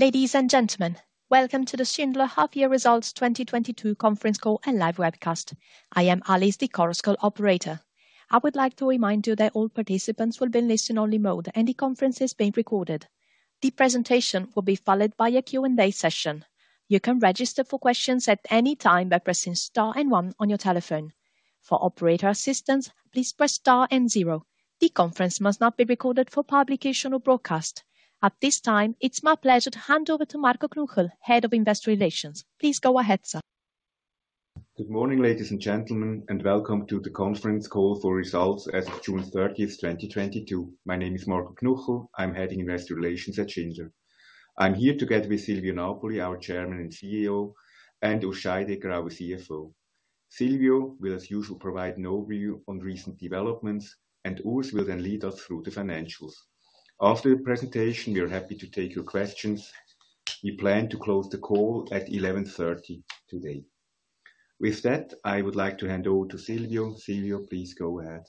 Ladies and gentlemen, welcome to the Schindler Half Year Results 2022 conference call and live webcast. I am Alice, the conference call operator. I would like to remind you that all participants will be in listen only mode and the conference is being recorded. The presentation will be followed by a Q&A session. You can register for questions at any time by pressing star and one on your telephone. For operator assistance, please press star and zero. The conference must not be recorded for publication or broadcast. At this time, it's my pleasure to hand over to Marco Knuchel, Head of Investor Relations. Please go ahead, sir. Good morning, ladies and gentlemen, and welcome to the conference call for results as of June 30, 2022. My name is Marco Knuchel. I'm Head of Investor Relations at Schindler. I'm here together with Silvio Napoli, our Chairman and CEO, and Urs Scheidegger, our CFO. Silvio will, as usual, provide an overview on recent developments, and Urs will then lead us through the financials. After the presentation, we are happy to take your questions. We plan to close the call at 11:30 A.M. today. With that, I would like to hand over to Silvio. Silvio, please go ahead.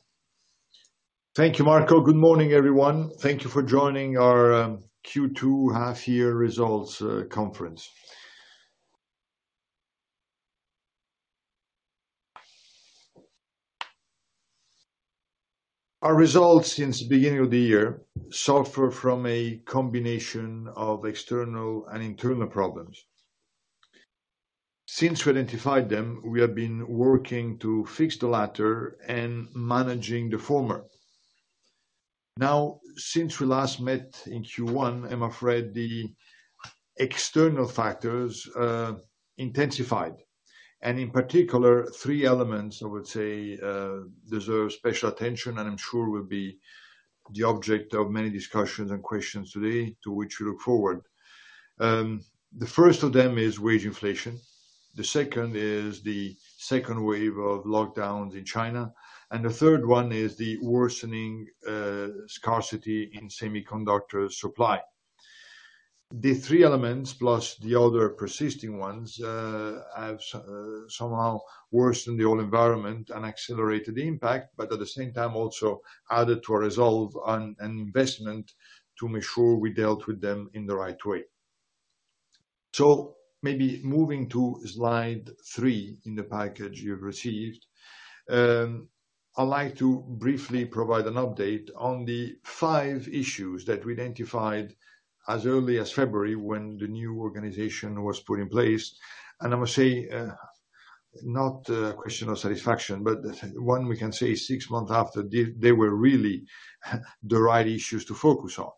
Thank you, Marco Knuchel. Good morning, everyone. Thank you for joining our Q2 half year results conference. Our results since the beginning of the year suffer from a combination of external and internal problems. Since we identified them, we have been working to fix the latter and managing the former. Now, since we last met in Q1, I'm afraid the external factors intensified, and in particular, three elements, I would say, deserve special attention and I'm sure will be the object of many discussions and questions today to which we look forward. The first of them is wage inflation, the second is the second wave of lockdowns in China, and the third one is the worsening scarcity in semiconductor supply. The three elements, plus the other persisting ones, have somehow worsened the old environment and accelerated the impact, but at the same time also added to our resolve and investment to make sure we dealt with them in the right way. Maybe moving to slide three in the package you've received. I'd like to briefly provide an update on the five issues that we identified as early as February when the new organization was put in place. I must say, not a question of satisfaction, but one we can say six months after, they were really the right issues to focus on.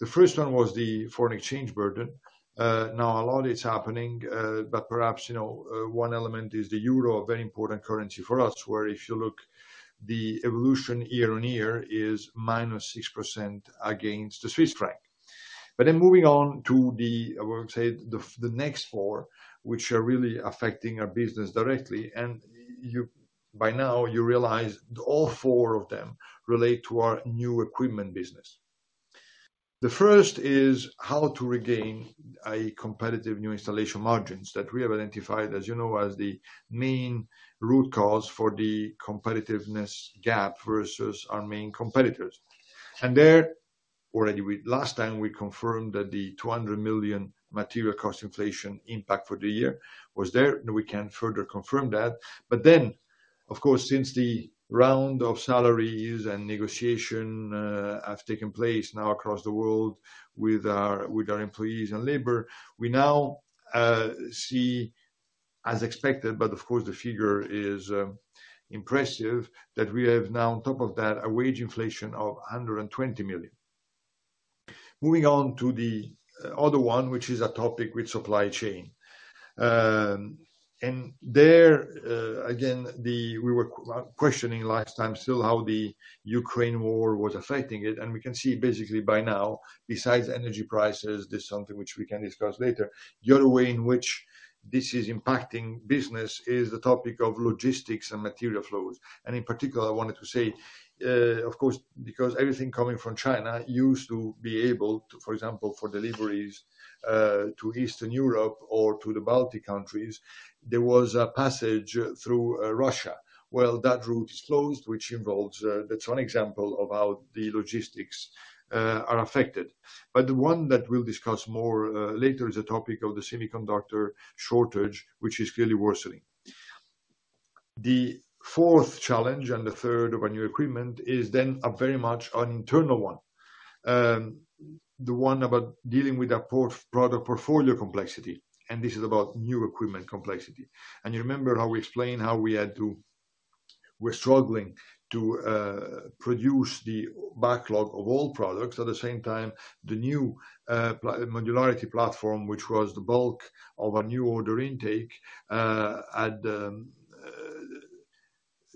The first one was the foreign exchange burden. Now a lot is happening, but perhaps, you know, one element is the euro, a very important currency for us, where if you look, the year-on-year evolution is -6% against the Swiss franc. Moving on to the, I would say, the next four, which are really affecting our business directly. By now you realize all four of them relate to our new equipment business. The first is how to regain a competitive new installation margins that we have identified, as you know, as the main root cause for the competitiveness gap versus our main competitors. There, already last time we confirmed that the 200 million material cost inflation impact for the year was there, and we can further confirm that. Of course, since the round of salaries and negotiation have taken place now across the world with our employees and labor, we now see as expected, but of course the figure is impressive, that we have now on top of that, a wage inflation of 120 million. Moving on to the other one, which is a topic with supply chain. There, again, we were questioning last time still how the Ukraine war was affecting it, and we can see basically by now, besides energy prices, this is something which we can discuss later. The other way in which this is impacting business is the topic of logistics and material flows. In particular, I wanted to say, of course, because everything coming from China used to be able to, for example, for deliveries to Eastern Europe or to the Baltic countries, there was a passage through Russia. Well, that route is closed. That's one example of how the logistics are affected. The one that we'll discuss more later is the topic of the semiconductor shortage, which is clearly worsening. The fourth challenge and the third of a new equipment is then a very much an internal one. The one about dealing with product portfolio complexity, and this is about new equipment complexity. You remember how we explained we're struggling to produce the backlog of all products. At the same time, the new modularity platform, which was the bulk of our new order intake, had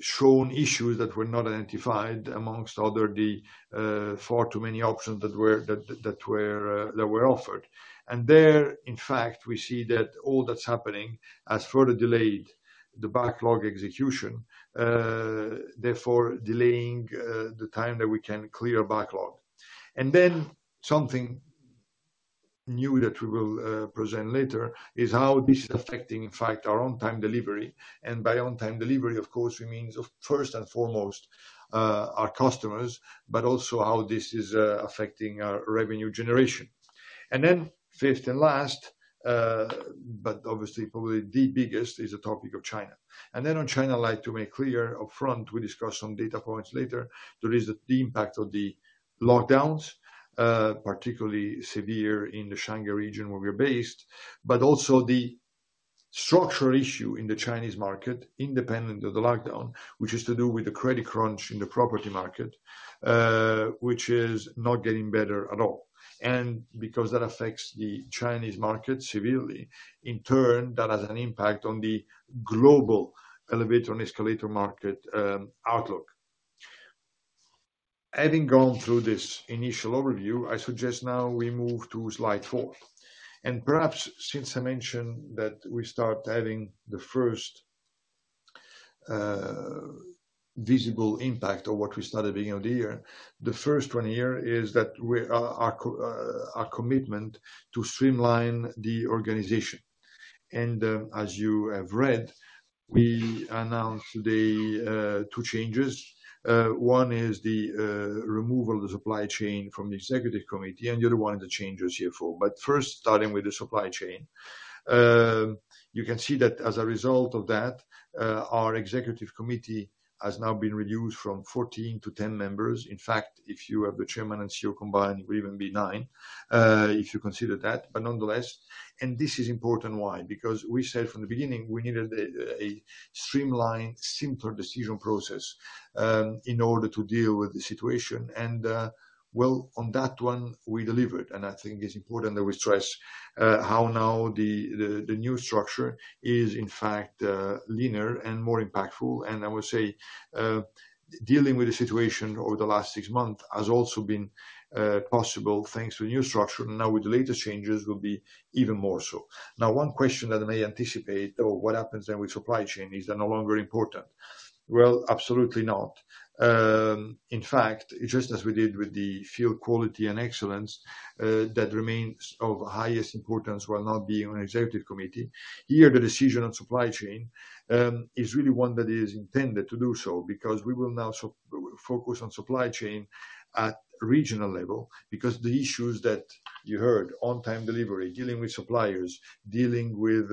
shown issues that were not identified amongst the other far too many options that were offered. In fact, we see that all that's happening has further delayed the backlog execution, therefore delaying the time that we can clear backlog. Something new that we will present later is how this is affecting, in fact, our on-time delivery. By on-time delivery, of course, we mean first and foremost our customers, but also how this is affecting our revenue generation. Fifth and last, but obviously probably the biggest is the topic of China. On China, I'd like to make clear upfront, we discuss some data points later. There is the impact of the lockdowns, particularly severe in the Shanghai region where we're based, but also the structural issue in the Chinese market, independent of the lockdown, which is to do with the credit crunch in the property market, which is not getting better at all. Because that affects the Chinese market severely, in turn, that has an impact on the global elevator and escalator market outlook. Having gone through this initial overview, I suggest now we move to slide four. Perhaps since I mentioned that we started adding the first visible impact of what we started beginning of the year, the first one here is our commitment to streamline the organization. As you have read, we announced the two changes. One is the removal of the supply chain from the executive committee and the other one is the change of CFO. First starting with the supply chain. You can see that as a result of that, our executive committee has now been reduced from 14 to 10 members. In fact, if you have the Chairman and CEO combined, it will even be nine, if you consider that. Nonetheless, and this is important, why? Because we said from the beginning, we needed a streamlined, simpler decision process, in order to deal with the situation. Well, on that one we delivered. I think it's important that we stress, how now the new structure is in fact, leaner and more impactful. I would say, dealing with the situation over the last six months has also been possible thanks to a new structure. Now with the latest changes will be even more so. Now, one question that I may anticipate, or what happens then with supply chain is they're no longer important. Well, absolutely not. In fact, just as we did with the field quality and excellence, that remains of highest importance while not being on executive committee. Here the decision on supply chain is really one that is intended to do so because we will now focus on supply chain at regional level. Because the issues that you heard on time delivery, dealing with suppliers, dealing with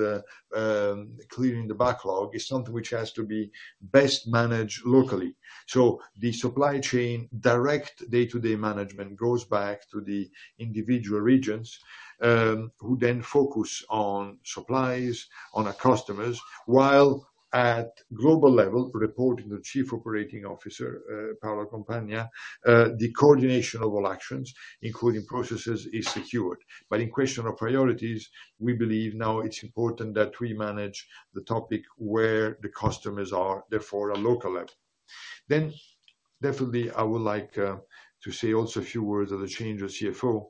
clearing the backlog, is something which has to be best managed locally. The supply chain direct day-to-day management goes back to the individual regions, who then focus on supplies, on our customers, while at global level reporting to the Chief Operating Officer, Paolo Compagna, the coordination of all actions, including processes, is secured. In question of priorities, we believe now it's important that we manage the topic where the customers are, therefore at local level. Definitely I would like to say also a few words on the change of CFO,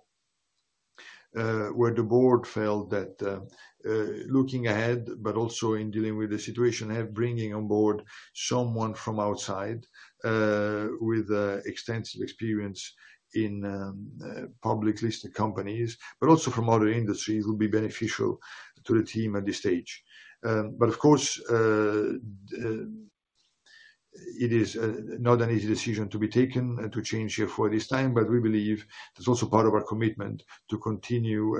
where the board felt that, looking ahead, but also in dealing with the situation and bringing on board someone from outside, with extensive experience in publicly listed companies, but also from other industries, will be beneficial to the team at this stage. Of course, it is not an easy decision to be taken and to change here for this time. We believe it's also part of our commitment to continue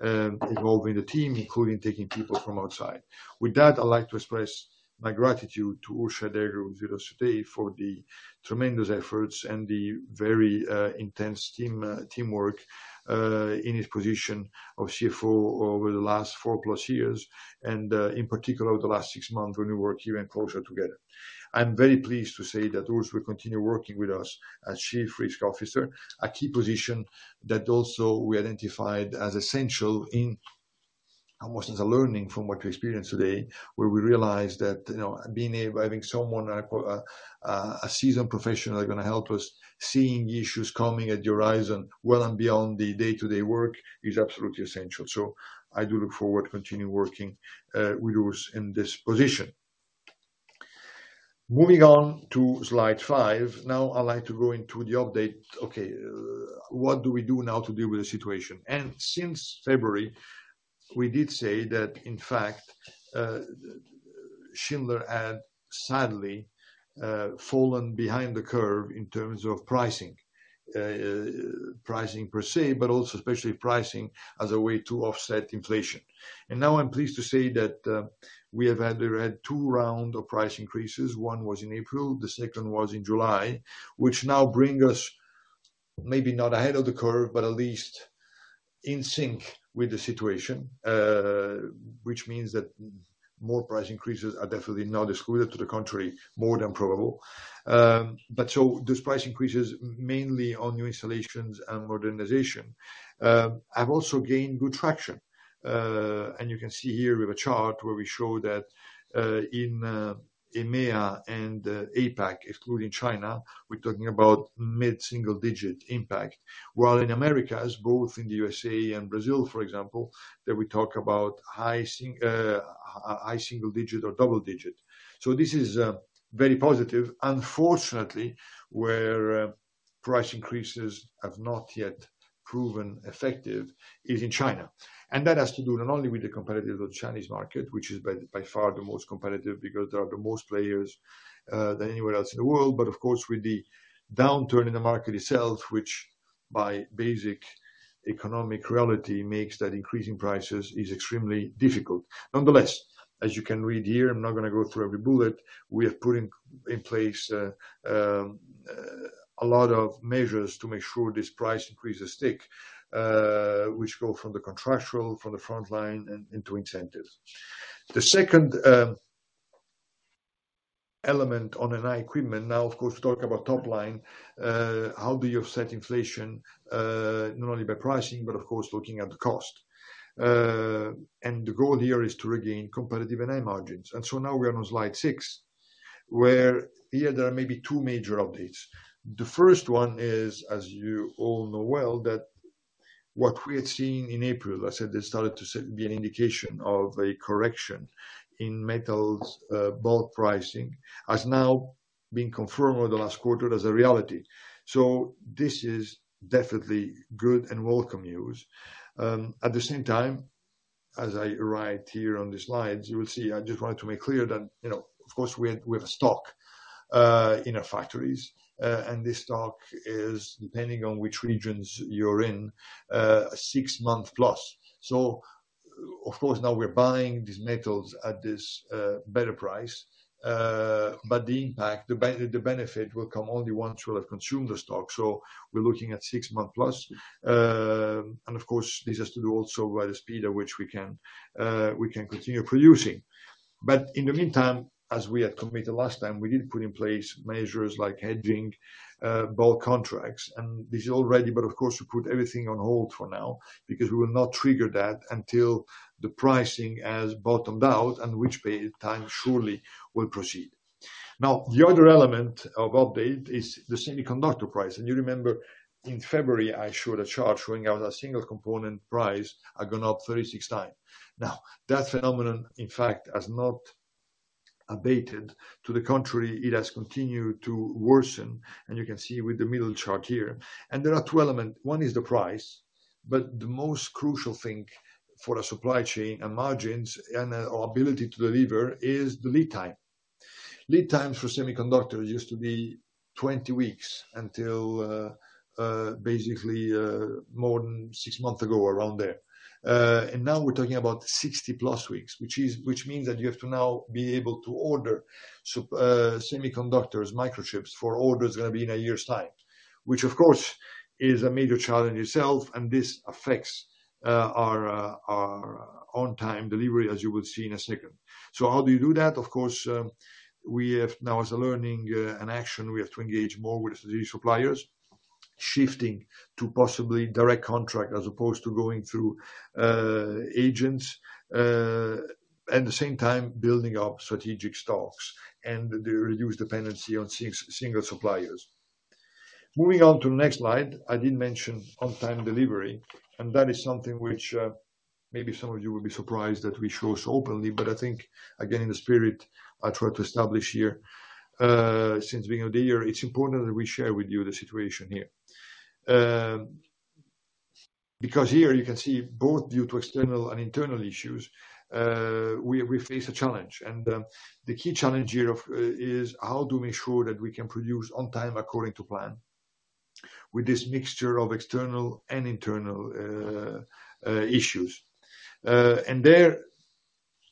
evolving the team, including taking people from outside. With that, I'd like to express my gratitude to Urs Scheidegger for the tremendous efforts and the very intense team teamwork in his position of CFO over the last 4+ years and in particular over the last six months when we worked even closer together. I'm very pleased to say that Urs Scheidegger will continue working with us as Chief Risk Officer. A key position that also we identified as essential in, almost as a learning from what we experience today, where we realized that, you know, having someone a seasoned professional are gonna help us. Seeing issues coming on the horizon well and beyond the day-to-day work is absolutely essential. I do look forward to continue working with Urs in this position. Moving on to slide five. Now I'd like to go into the update. Okay, what do we do now to deal with the situation? Since February, we did say that in fact, Schindler had sadly fallen behind the curve in terms of pricing. Pricing per se, but also especially pricing as a way to offset inflation. Now I'm pleased to say that we have had two rounds of price increases. One was in April, the second was in July, which now bring us maybe not ahead of the curve, but at least in sync with the situation. Which means that more price increases are definitely not excluded; on the contrary, more than probable. These price increases mainly on new installations and modernization have also gained good traction. You can see here we have a chart where we show that in EMEA and APAC, excluding China, we're talking about mid-single-digit impact. While in Americas, both in the USA and Brazil, for example, there we talk about high single-digit or double-digit. This is very positive. Unfortunately, where price increases have not yet proven effective is in China. That has to do not only with the competitiveness of Chinese market, which is by far the most competitive because there are more players than anywhere else in the world. Of course, with the downturn in the market itself, which by basic economic reality makes increasing prices extremely difficult. Nonetheless, as you can read here, I'm not gonna go through every bullet, we are putting in place a lot of measures to make sure this price increases stick, which go from the contractual, from the front line, and into incentives. The second element on our equipment. Now, of course, talk about top line, how do you offset inflation? Not only by pricing, but of course, looking at the cost. The goal here is to regain competitive NI margins. Now we are on slide six, where here there are maybe two major updates. The first one is, as you all know well, that what we had seen in April, I said there started to be an indication of a correction in metals, bulk pricing, has now been confirmed over the last quarter as a reality. This is definitely good and welcome news. At the same time, as I write here on the slides, you will see, I just wanted to make clear that, you know, of course, we have a stock in our factories. This stock is depending on which regions you're in, six-month plus. Of course, now we're buying these metals at this better price. The impact, the benefit will come only once we have consumed the stock. We're looking at six-month plus. Of course, this has to do also by the speed at which we can continue producing. In the meantime, as we had committed last time, we did put in place measures like hedging, bulk contracts. This is all ready, but of course, we put everything on hold for now because we will not trigger that until the pricing has bottomed out, and which by then surely will proceed. Now, the other element of update is the semiconductor price. You remember in February, I showed a chart showing how the single component price had gone up 36 times. Now, that phenomenon, in fact, has not abated. To the contrary, it has continued to worsen, and you can see with the middle chart here. There are two elements. One is the price, but the most crucial thing for a supply chain and margins and our ability to deliver is the lead time. Lead times for semiconductors used to be 20 weeks until basically more than six months ago, around there. Now we're talking about 60+ weeks, which means that you have to now be able to order semiconductors, microchips for orders that are gonna be in a year's time. Which of course is a major challenge itself, and this affects our on-time delivery, as you will see in a second. How do you do that? Of course, we have now as a learning in action, we have to engage more with the suppliers, shifting to possibly direct contract as opposed to going through agents. At the same time building up strategic stocks and to reduce dependency on single suppliers. Moving on to the next slide, I did mention on-time delivery, and that is something which maybe some of you will be surprised that we show so openly. I think again, in the spirit I try to establish here, since the beginning of the year, it's important that we share with you the situation here. Because here you can see both due to external and internal issues, we face a challenge. The key challenge here is how to make sure that we can produce on time according to plan with this mixture of external and internal issues.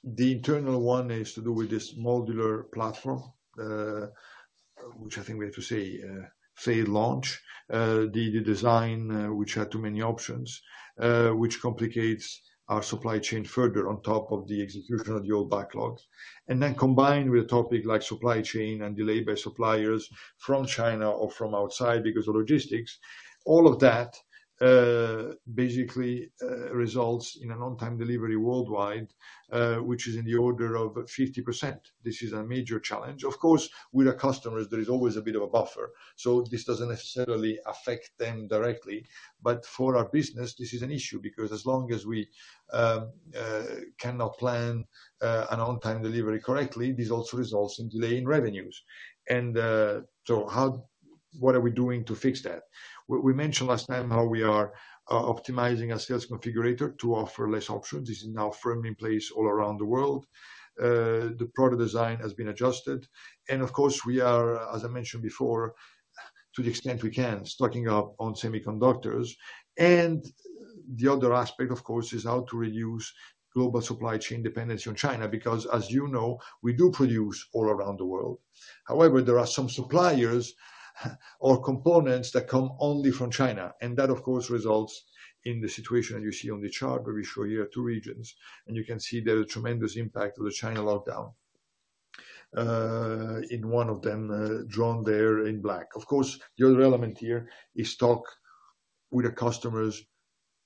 The internal one is to do with this modular platform, which I think we have to say, failed launch. The design, which had too many options, which complicates our supply chain further on top of the execution of the old backlogs. Combined with a topic like supply chain and delayed by suppliers from China or from outside because of logistics, all of that, basically, results in an on-time delivery worldwide, which is in the order of 50%. This is a major challenge. Of course, with our customers, there is always a bit of a buffer. This doesn't necessarily affect them directly. For our business, this is an issue because as long as we cannot plan an on-time delivery correctly, this also results in delay in revenues. What are we doing to fix that? We mentioned last time how we are optimizing our sales configurator to offer less options. This is now firmly in place all around the world. The product design has been adjusted. Of course, we are, as I mentioned before, to the extent we can, stocking up on semiconductors. The other aspect, of course, is how to reduce global supply chain dependency on China. Because as you know, we do produce all around the world. However, there are some suppliers or components that come only from China, and that of course results in the situation that you see on the chart where we show here two regions, and you can see there a tremendous impact of the China lockdown in one of them, drawn there in black. Of course, the other element here is talk with the customers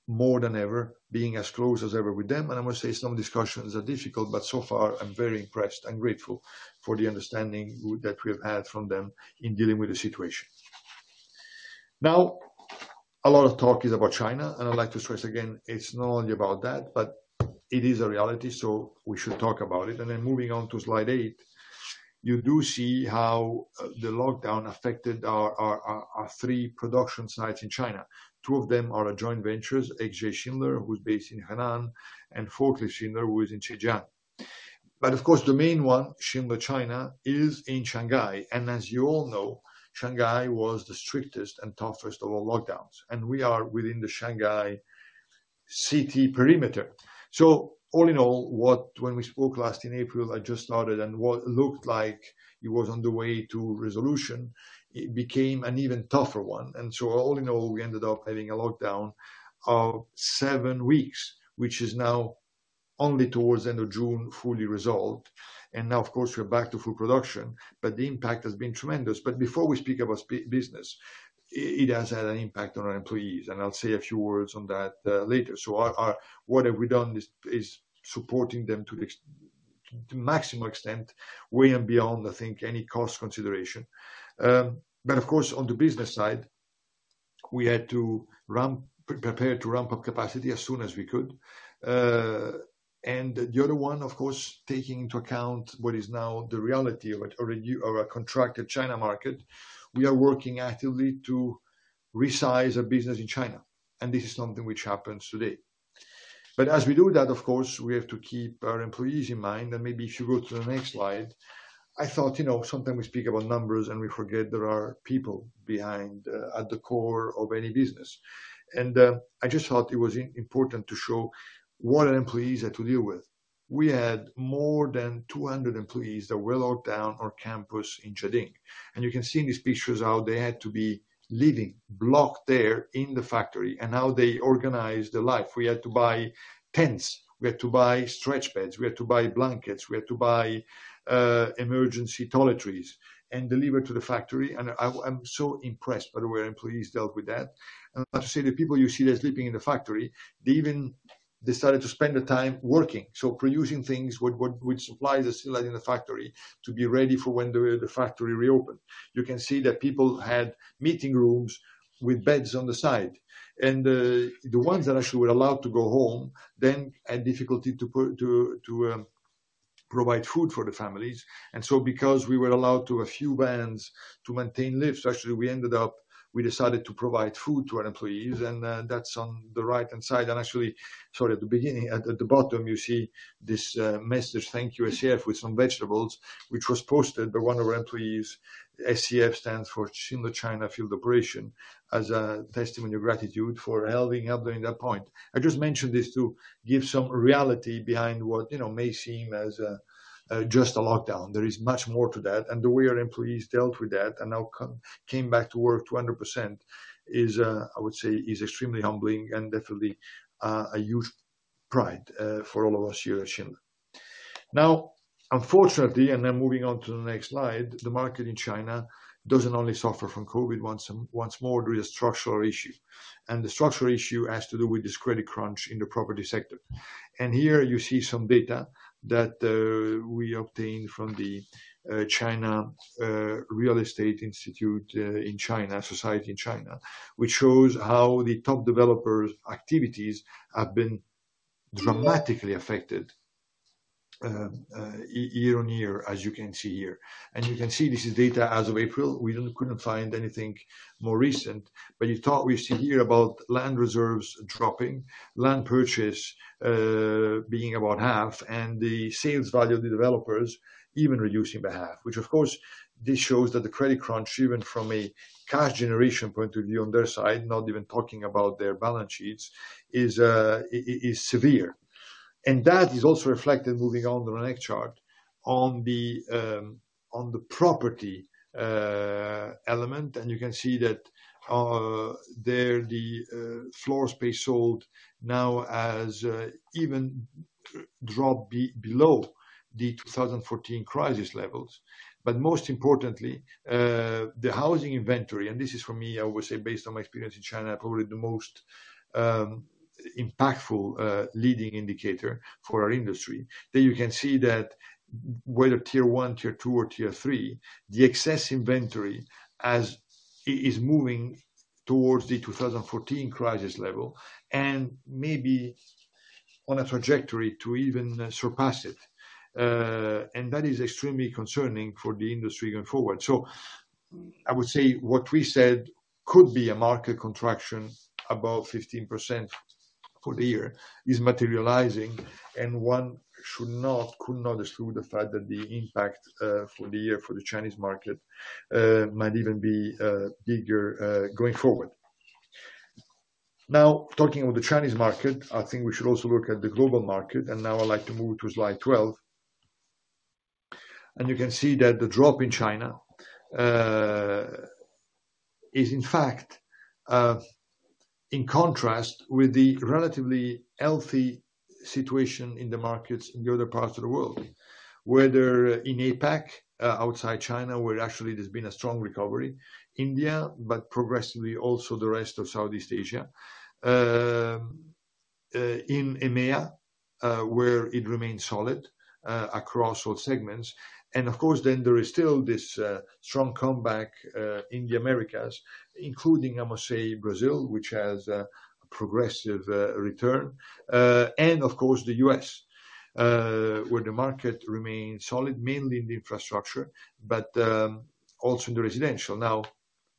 more than ever, being as close as ever with them. I must say some discussions are difficult, but so far I'm very impressed and grateful for the understanding that we have had from them in dealing with the situation. Now, a lot of talk is about China, and I'd like to stress again, it's not only about that, but it is a reality, so we should talk about it. Then moving on to slide eight, you do see how the lockdown affected our three production sites in China. Two of them are joint ventures, XJ-Schindler, who's based in Henan, and Volkslift-Schindler, who is in Zhejiang. But of course, the main one, Schindler China, is in Shanghai. As you all know, Shanghai was the strictest and toughest of all lockdowns. We are within the Shanghai city perimeter. So all in all, what. When we spoke last in April, I just started and what looked like it was on the way to resolution, it became an even tougher one. All in all, we ended up having a lockdown of seven weeks, which is now only toward end of June, fully resolved. Now, of course, we're back to full production, but the impact has been tremendous. Before we speak about business, it has had an impact on our employees, and I'll say a few words on that, later. What we have done is supporting them to maximum extent, way and beyond, I think, any cost consideration. Of course, on the business side, we had to prepare to ramp up capacity as soon as we could. The other one, of course, taking into account what is now the reality of it, a contracted China market, we are working actively to resize our business in China. This is something which happens today. As we do that, of course, we have to keep our employees in mind. Maybe if you go to the next slide, I thought, you know, sometimes we speak about numbers and we forget there are people behind at the core of any business. I just thought it was important to show what our employees had to deal with. We had more than 200 employees that were locked down on campus in Jiading. You can see in these pictures how they had to be living, blocked there in the factory and how they organized their life. We had to buy tents. We had to buy stretch beds. We had to buy blankets. We had to buy emergency toiletries and deliver to the factory. I'm so impressed by the way our employees dealt with that. I have to say, the people you see there sleeping in the factory, they even decided to spend the time working. Producing things would supply the facility in the factory to be ready for when the factory reopened. You can see that people had meeting rooms with beds on the side. The ones that actually were allowed to go home then had difficulty to provide food for the families. Because we were allowed to a few vans to maintain lifts, actually, we ended up, we decided to provide food to our employees, and that's on the right-hand side. Actually, sort of at the beginning, at the bottom, you see this message, thank you, SCF, with some vegetables, which was posted by one of our employees. SCF stands for Schindler China Field Operation, as a testimony of gratitude for helping out during that point. I just mentioned this to give some reality behind what, you know, may seem as just a lockdown. There is much more to that, and the way our employees dealt with that and now came back to work 200% is, I would say, extremely humbling and definitely a huge pride for all of us here at Schindler. Now, unfortunately, and then moving on to the next slide, the market in China doesn't only suffer from COVID once and once more due to structural issue. The structural issue has to do with this credit crunch in the property sector. Here you see some data that we obtained from the Real Estate Institute Society in China, which shows how the top developers' activities have been dramatically affected year-on-year, as you can see here. You can see this is data as of April. We couldn't find anything more recent. As you can see here about land reserves dropping, land purchase being about half, and the sales value of the developers even reducing by half, which of course this shows that the credit crunch, even from a cash generation point of view on their side, not even talking about their balance sheets, is severe. That is also reflected, moving on to the next chart, on the property element. You can see that there the floor space sold now has even dropped below the 2014 crisis levels. Most importantly, the housing inventory, and this is for me, I would say, based on my experience in China, probably the most impactful leading indicator for our industry. There you can see that whether Tier 1, Tier 2, or Tier 3, the excess inventory is moving towards the 2014 crisis level and maybe on a trajectory to even surpass it. That is extremely concerning for the industry going forward. I would say what we said could be a market contraction above 15% for the year is materializing, and one should not, could not exclude the fact that the impact, for the year for the Chinese market, might even be bigger, going forward. Now, talking of the Chinese market, I think we should also look at the global market. Now I'd like to move to slide 12. You can see that the drop in China is in fact in contrast with the relatively healthy situation in the markets in the other parts of the world. Whether in APAC outside China, where actually there's been a strong recovery, India, but progressively also the rest of Southeast Asia. In EMEA, where it remains solid across all segments. Of course, then there is still this strong comeback in the Americas, including, I must say, Brazil, which has a progressive return. Of course, the U.S., Where the market remains solid, mainly in the infrastructure, but also in the residential. Now,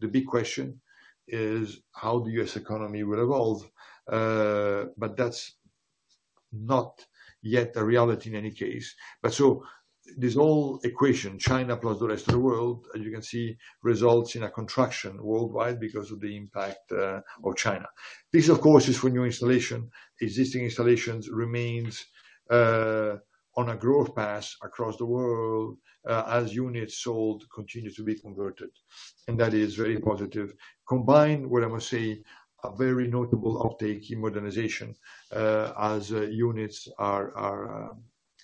the big question is how the U.S. economy will evolve. That's not yet a reality in any case. So this whole equation, China plus the rest of the world, as you can see, results in a contraction worldwide because of the impact of China. This, of course, is for new installation. Existing installations remains on a growth path across the world, as units sold continues to be converted, and that is very positive. Combined with, I must say, a very notable uptake in modernization, as units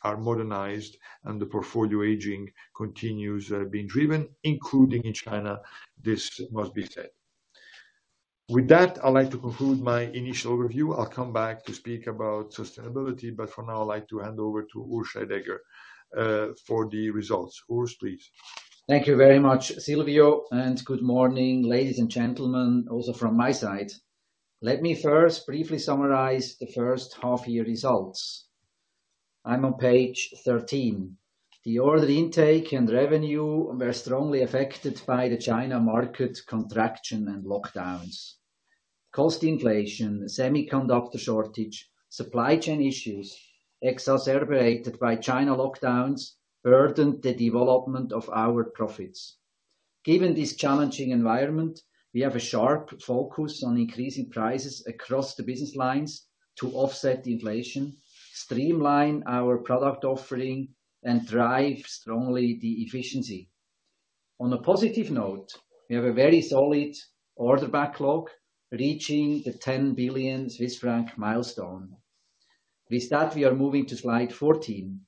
are modernized and the portfolio aging continues, being driven, including in China, this must be said. With that, I'd like to conclude my initial review. I'll come back to speak about sustainability, but for now, I'd like to hand over to Urs Scheidegger for the results. Urs, please. Thank you very much, Silvio. Good morning, ladies and gentlemen also from my side. Let me first briefly summarize the first half year results. I'm on page 13. The order intake and revenue were strongly affected by the China market contraction and lockdowns. Cost inflation, semiconductor shortage, supply chain issues exacerbated by China lockdowns burdened the development of our profits. Given this challenging environment, we have a sharp focus on increasing prices across the business lines to offset inflation, streamline our product offering, and drive strongly the efficiency. On a positive note, we have a very solid order backlog reaching the 10 billion Swiss franc milestone. With that, we are moving to slide 14.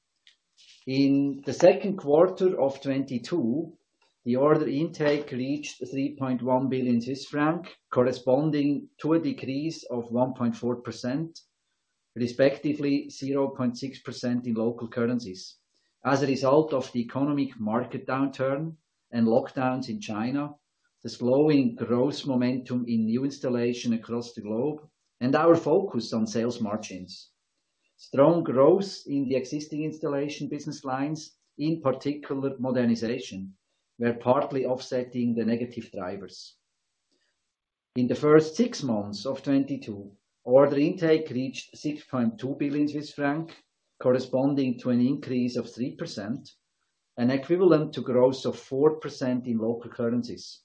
In the second quarter of 2022, the order intake reached 3.1 billion Swiss franc, corresponding to a decrease of 1.4%, respectively 0.6% in local currencies. As a result of the economic market downturn and lockdowns in China, the slowing growth momentum in new installation across the globe, and our focus on sales margins. Strong growth in the existing installation business lines, in particular modernization, were partly offsetting the negative drivers. In the first six months of 2022, order intake reached 6.2 billion Swiss francs, corresponding to an increase of 3%, and equivalent to growth of 4% in local currencies.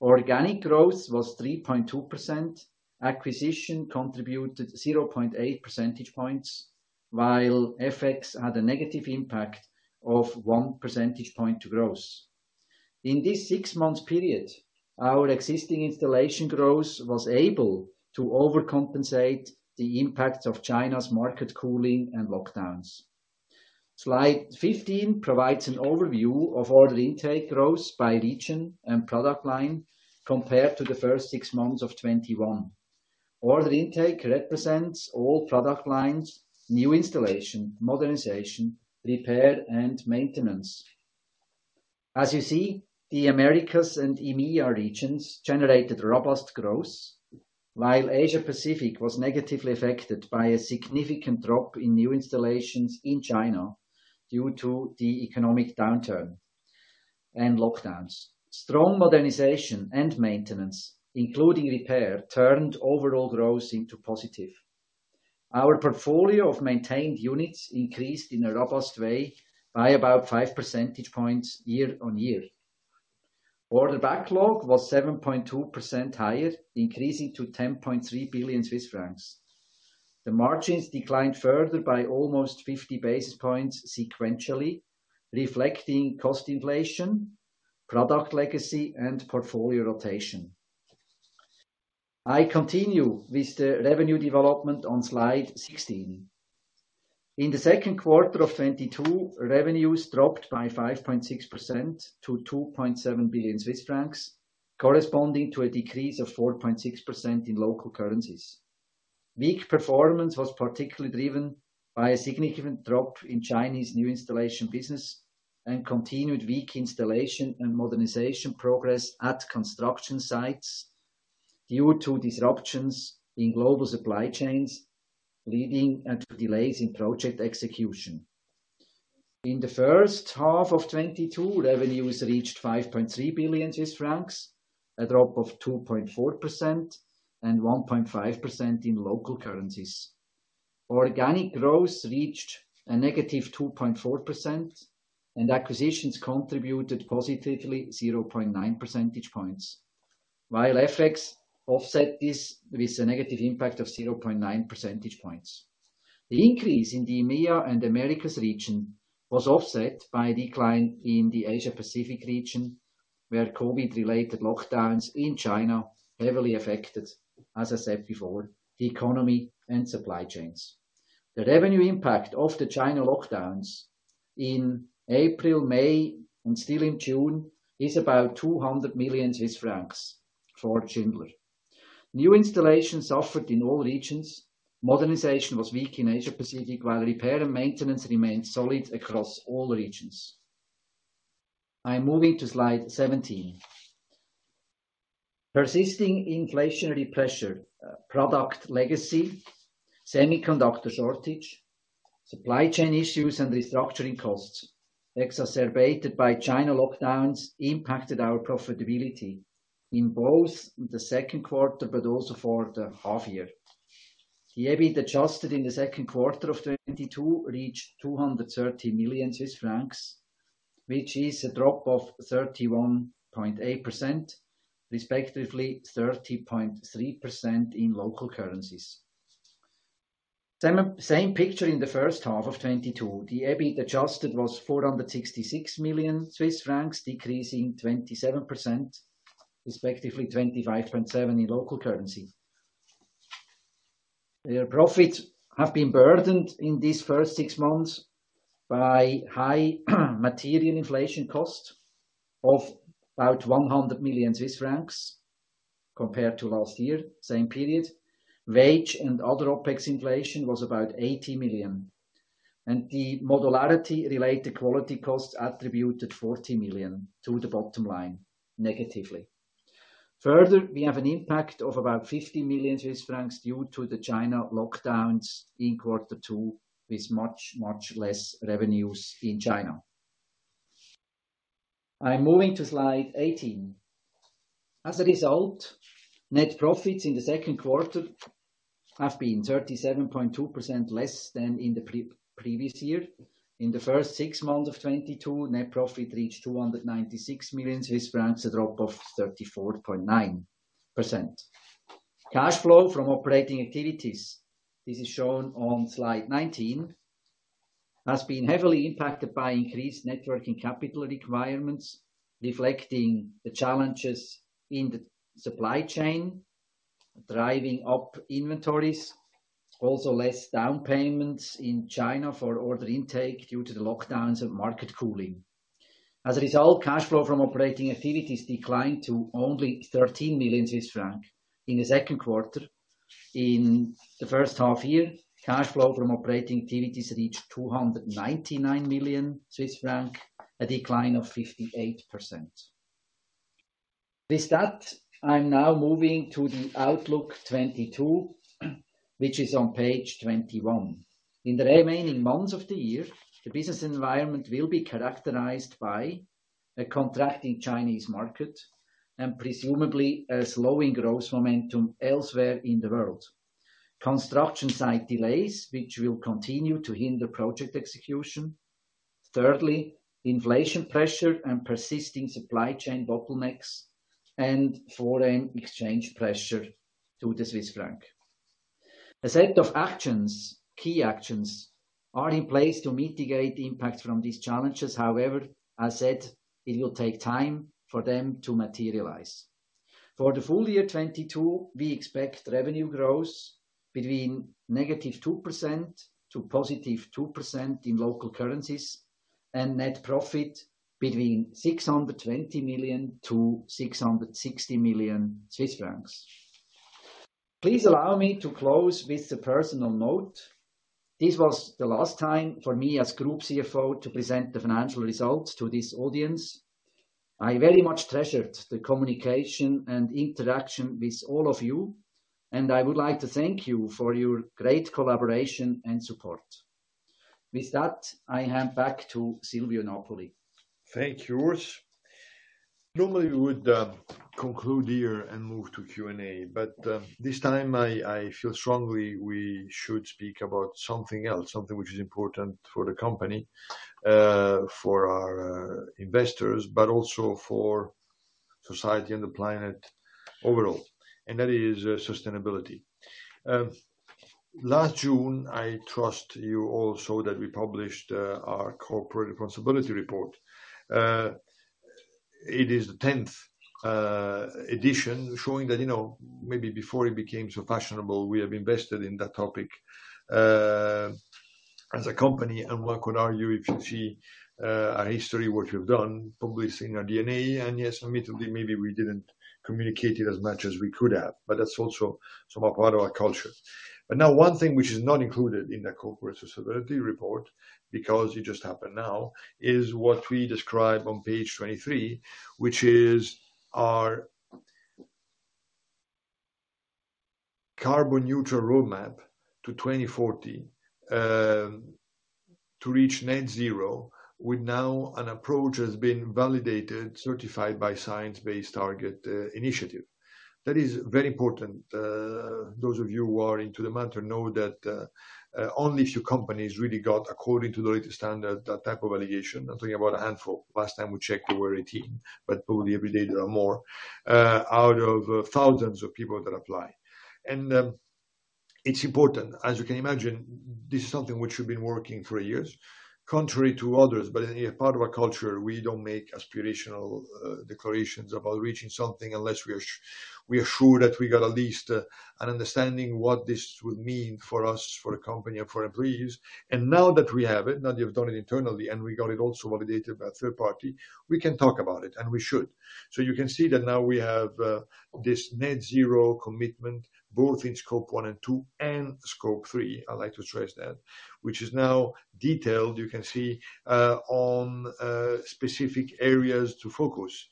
Organic growth was 3.2%. Acquisition contributed 0.8 percentage points, while FX had a negative impact of 1 percentage point to growth. In this six-month period, our existing installation growth was able to overcompensate the impact of China's market cooling and lockdowns. Slide 15 provides an overview of order intake growth by region and product line compared to the first six months of 2021. Order intake represents all product lines, new installation, modernization, repair, and maintenance. As you see, the Americas and EMEA regions generated robust growth, while Asia-Pacific was negatively affected by a significant drop in new installations in China due to the economic downturn and lockdowns. Strong modernization and maintenance, including repair, turned overall growth into positive. Our portfolio of maintained units increased in a robust way by about 5 percentage points year-on-year. Order backlog was 7.2% higher, increasing to 10.3 billion Swiss francs. The margins declined further by almost 50 basis points sequentially, reflecting cost inflation, product legacy, and portfolio rotation. I continue with the revenue development on slide 16. In the second quarter of 2022, revenues dropped by 5.6% to 2.7 billion Swiss francs, corresponding to a decrease of 4.6% in local currencies. Weak performance was particularly driven by a significant drop in Chinese new installation business and continued weak installation and modernization progress at construction sites due to disruptions in global supply chains, leading into delays in project execution. In the first half of 2022, revenues reached 5.3 billion Swiss francs, a drop of 2.4% and 1.5% in local currencies. Organic growth reached a -2.4%, and acquisitions contributed positively 0.9 percentage points. While FX offset this with a negative impact of 0.9 percentage points. The increase in the EMEA and Americas region was offset by a decline in the Asia-Pacific region, where COVID-related lockdowns in China heavily affected, as I said before, the economy and supply chains. The revenue impact of the China lockdowns in April, May, and still in June is about 200 million Swiss francs for Schindler. New installations suffered in all regions. Modernization was weak in Asia Pacific, while repair and maintenance remained solid across all regions. I am moving to slide 17. Persisting inflationary pressure, product legacy, semiconductor shortage, supply chain issues, and restructuring costs exacerbated by China lockdowns impacted our profitability in both the second quarter but also for the half year. The EBIT adjusted in the second quarter of 2022 reached 230 million Swiss francs, which is a drop of 31.8%, respectively 30.3% in local currencies. Same picture in the first half of 2022, the EBIT adjusted was 466 million Swiss francs, decreasing 27%, respectively 25.7% in local currency. Their profits have been burdened in these first six months by high material inflation cost of about 100 million Swiss francs compared to last year, same period. Wage and other OpEx inflation was about 80 million. The modularity-related quality costs attributed 40 million to the bottom line negatively. Further, we have an impact of about 50 million Swiss francs due to the China lockdowns in quarter two, with much, much less revenues in China. I am moving to slide 18. As a result, net profits in the second quarter have been 37.2% less than in the previous year. In the first six months of 2022, net profit reached 296 million Swiss francs, a drop of 34.9%. Cash flow from operating activities, this is shown on slide 19, has been heavily impacted by increased net working capital requirements, reflecting the challenges in the supply chain, driving up inventories, also less down payments in China for order intake due to the lockdowns and market cooling. As a result, cash flow from operating activities declined to only 13 million Swiss francs in the second quarter. In the first half year, cash flow from operating activities reached 299 million Swiss francs, a decline of 58%. With that, I'm now moving to the outlook 2022, which is on page 21. In the remaining months of the year, the business environment will be characterized by a contracting Chinese market and presumably a slowing growth momentum elsewhere in the world. Construction site delays, which will continue to hinder project execution. Thirdly, inflation pressure and persisting supply chain bottlenecks and foreign exchange pressure on the Swiss franc. A set of actions, key actions, are in place to mitigate the impact from these challenges. However, as said, it will take time for them to materialize. For the full year 2022, we expect revenue growth between -2% to +2% in local currencies and net profit between 620 million to 660 million Swiss francs. Please allow me to close with a personal note. This was the last time for me as Group CFO to present the financial results to this audience. I very much treasured the communication and interaction with all of you, and I would like to thank you for your great collaboration and support. With that, I hand back to Silvio Napoli. Thank you, Urs. Normally, we would conclude here and move to Q&A, but this time I feel strongly we should speak about something else, something which is important for the company, for our investors, but also for society and the planet overall, and that is sustainability. Last June, I trust you all saw that we published our corporate responsibility report. It is the 10th edition showing that, you know, maybe before it became so fashionable, we have invested in that topic as a company, and one could argue if you see our history, what we've done, probably it's in our DNA. Yes, admittedly, maybe we didn't communicate it as much as we could have, but that's also some part of our culture. Now one thing which is not included in that corporate responsibility report, because it just happened now, is what we describe on page 23, which is our carbon-neutral roadmap to 2040, to reach net zero with now an approach that's been validated, certified by Science Based Targets Initiative. That is very important. Those of you who are into the matter know that, only a few companies really got, according to the latest standard, that type of validation. I'm talking about a handful. Last time we checked, we were 18, but probably every day there are more, out of thousands of people that apply. It's important. As you can imagine, this is something which we've been working for years, contrary to others, but as a part of our culture, we don't make aspirational declarations about reaching something unless we are sure that we got at least an understanding what this would mean for us, for the company, and for our employees. Now that we have it, now that we've done it internally, and we got it also validated by a third party, we can talk about it, and we should. You can see that now we have this net zero commitment, both in Scope 1 and 2, and Scope 3. I'd like to stress that. Which is now detailed, you can see on specific areas to focus.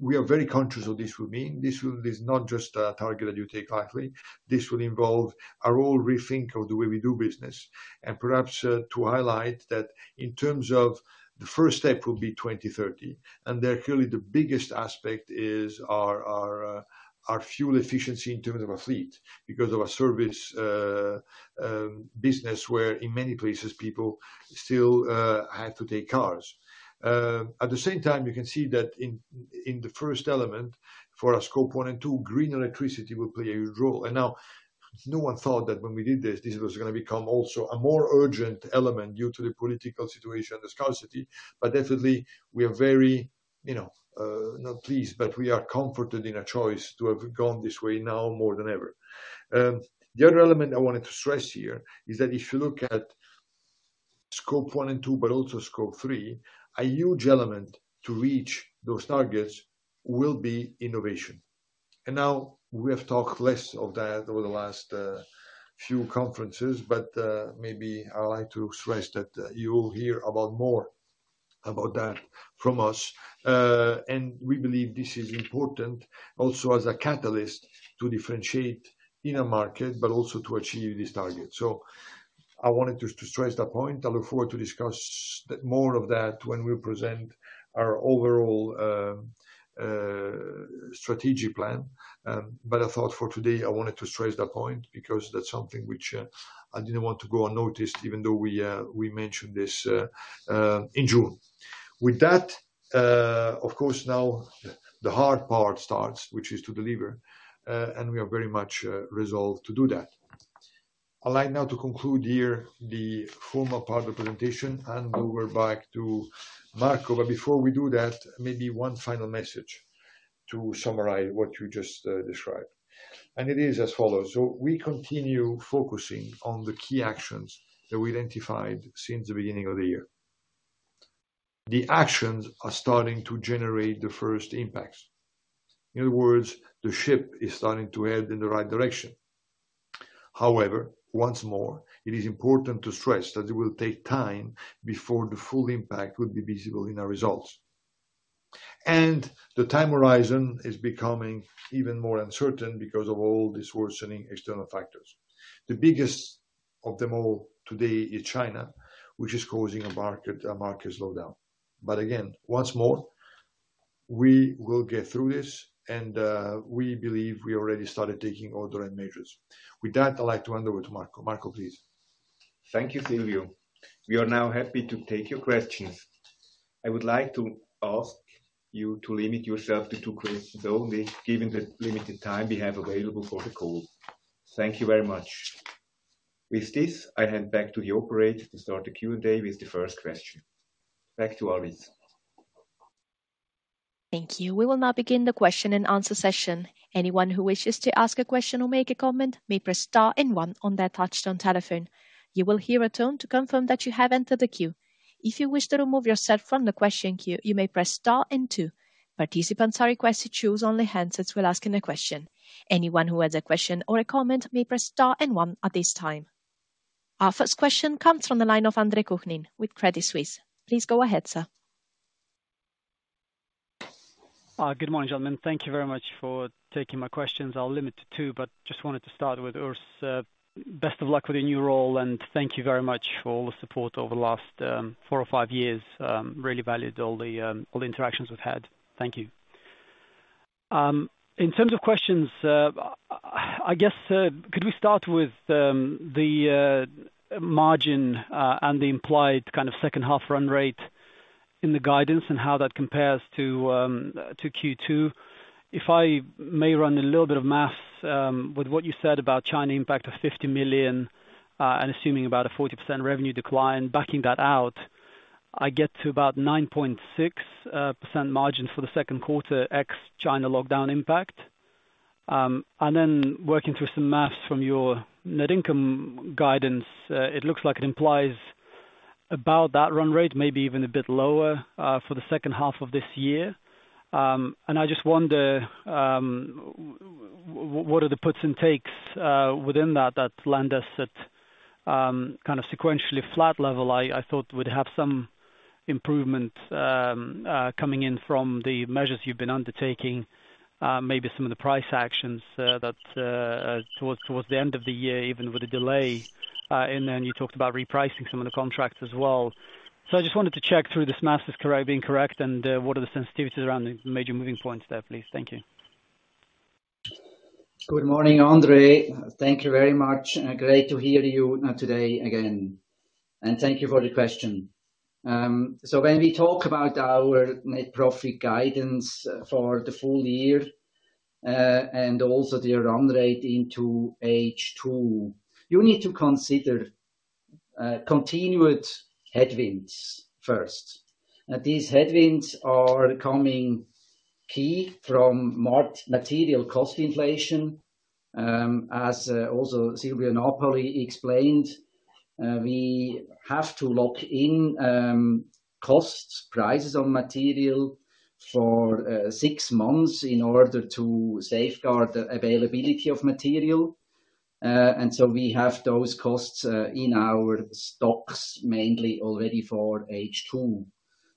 We are very conscious of this would mean. This is not just a target that you take lightly. This will involve a whole rethink of the way we do business. Perhaps, to highlight that in terms of the first step will be 2030, and clearly the biggest aspect is our fuel efficiency in terms of our fleet because of our service business, where in many places people still have to take cars. At the same time, you can see that in the first element for our Scope 1 and 2, green electricity will play a huge role. Now, no one thought that when we did this was gonna become also a more urgent element due to the political situation and the scarcity. Definitely we are very, you know, not pleased, but we are comforted in our choice to have gone this way now more than ever. The other element I wanted to stress here is that if you look at Scope 1 and 2, but also Scope 3, a huge element to reach those targets will be innovation. Now we have talked less of that over the last few conferences, but maybe I'd like to stress that you will hear more about that from us. We believe this is important also as a catalyst to differentiate in a market, but also to achieve this target. I wanted to stress that point. I look forward to discuss more of that when we present our overall strategic plan. I thought for today I wanted to stress that point because that's something which I didn't want to go unnoticed, even though we mentioned this in June. With that, of course, now the hard part starts, which is to deliver, and we are very much resolved to do that. I'd like now to conclude here the formal part of the presentation and hand over back to Marco. Before we do that, maybe one final message to summarize what you just described. It is as follows, so we continue focusing on the key actions that we identified since the beginning of the year. The actions are starting to generate the first impacts. In other words, the ship is starting to head in the right direction. However, once more, it is important to stress that it will take time before the full impact will be visible in our results. The time horizon is becoming even more uncertain because of all these worsening external factors. The biggest of them all today is China, which is causing a market slowdown. Again, once more, we will get through this and we believe we already started taking all the right measures. With that, I'd like to hand over to Marco. Marco, please. Thank you, Silvio. We are now happy to take your questions. I would like to ask you to limit yourself to two questions only, given the limited time we have available for the call. Thank you very much. With this, I hand back to the operator to start the Q&A with the first question. Back to Alice. Thank you. We will now begin the question and answer session. Anyone who wishes to ask a question or make a comment may press star and one on their touchtone telephone. You will hear a tone to confirm that you have entered the queue. If you wish to remove yourself from the question queue, you may press star and two. Participants are requested to choose only handsets when asking a question. Anyone who has a question or a comment may press star and one at this time. Our first question comes from the line of Andre Kukhnin with Credit Suisse. Please go ahead, sir. Good morning, gentlemen. Thank you very much for taking my questions. I'll limit to two, but just wanted to start with Urs. Best of luck with your new role, and thank you very much for all the support over the last four or five years. Really valued all the interactions we've had. Thank you. In terms of questions, I guess, could we start with the margin and the implied kind of second half run rate in the guidance and how that compares to Q2? If I may run a little bit of math, with what you said about China impact of 50 million, and assuming about a 40% revenue decline, backing that out, I get to about 9.6% margin for the second quarter ex-China lockdown impact. Then working through some math from your net income guidance, it looks like it implies about that run rate, maybe even a bit lower, for the second half of this year. I just wonder what are the puts and takes within that that lands us at kind of sequentially flat level? I thought we'd have some improvement coming in from the measures you've been undertaking, maybe some of the price actions that towards the end of the year, even with the delay. You talked about repricing some of the contracts as well. I just wanted to check if this math is correct, and what are the sensitivities around the major moving points there, please? Thank you. Good morning, Andre. Thank you very much. Great to hear you today again. Thank you for the question. When we talk about our net profit guidance for the full year, and also the run rate into H2, you need to consider continued headwinds first. These headwinds are coming key from material cost inflation, as also Silvio Napoli explained. We have to lock in cost prices on material for six months in order to safeguard the availability of material. We have those costs in our stocks mainly already for H2.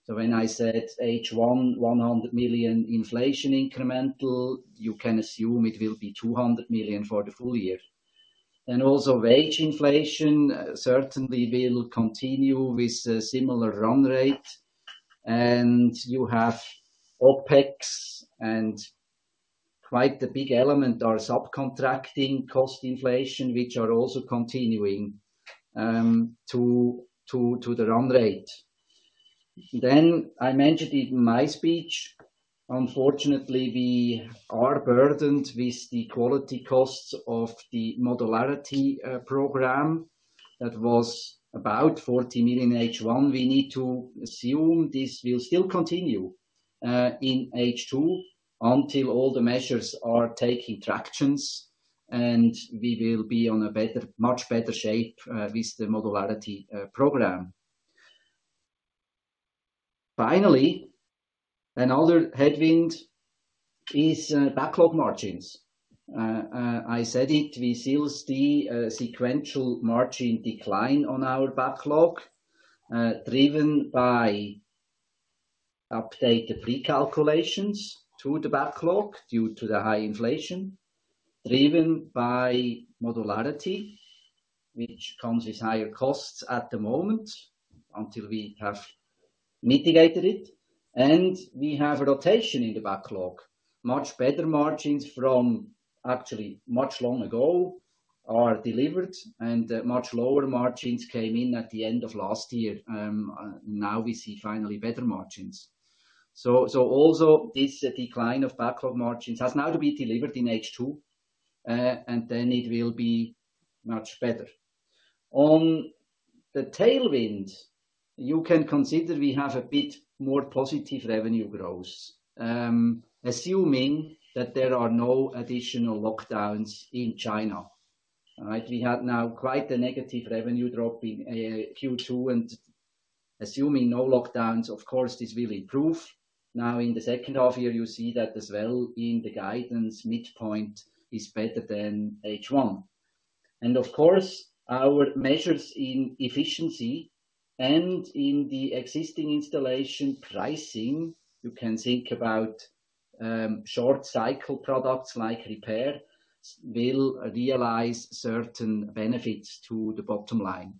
When I said H1 100 million inflation incremental, you can assume it will be 200 million for the full year. Wage inflation certainly will continue with a similar run rate. You have OpEx and quite a big element are subcontracting cost inflation, which are also continuing to the run rate. I mentioned in my speech, unfortunately, we are burdened with the quality costs of the modularity program that was about 40 million H1. We need to assume this will still continue in H2 until all the measures are taking traction and we will be on a better, much better shape with the modularity program. Finally, another headwind is backlog margins. I said it, we still see a sequential margin decline on our backlog driven by updated recalculations through the backlog due to the high inflation, driven by modularity, which comes with higher costs at the moment until we have mitigated it. We have a rotation in the backlog. Much better margins from actually much longer ago are delivered, and much lower margins came in at the end of last year. Now we see finally better margins. Also this decline of backlog margins has now to be delivered in H2, and then it will be much better. On the tailwind, you can consider we have a bit more positive revenue growth, assuming that there are no additional lockdowns in China. All right. We have now quite a negative revenue drop in Q2, and assuming no lockdowns, of course, this will improve. Now, in the second half year, you see that as well in the guidance midpoint is better than H1. Of course, our measures in efficiency and in the existing installation pricing, you can think about short cycle products like repair, will realize certain benefits to the bottom line.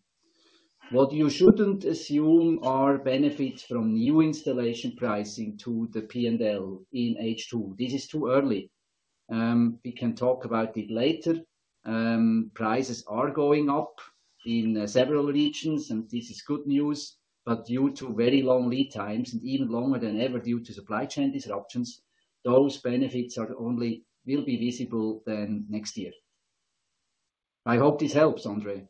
What you shouldn't assume are benefits from new installation pricing to the P&L in H2. This is too early. We can talk about it later. Prices are going up in several regions, and this is good news. Due to very long lead times and even longer than ever due to supply chain disruptions, those benefits will only be visible in next year. I hope this helps, Andre.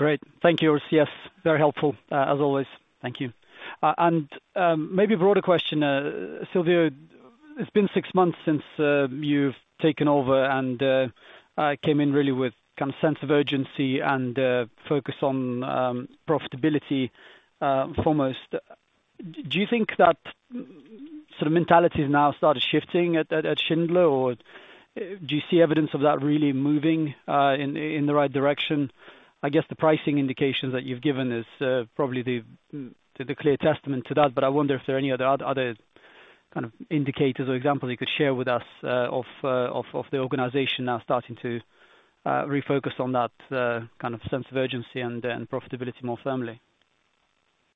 Great. Thank you, Urs. Yes, very helpful, as always. Thank you. Maybe a broader question. Silvio, it's been six months since you've taken over and came in really with kind of sense of urgency and focus on profitability foremost. Do you think that sort of mentality has now started shifting at Schindler? Or do you see evidence of that really moving in the right direction? I guess the pricing indications that you've given is probably the clear testament to that. But I wonder if there are any other kind of indicators or examples you could share with us, of the organization now starting to refocus on that kind of sense of urgency and profitability more firmly.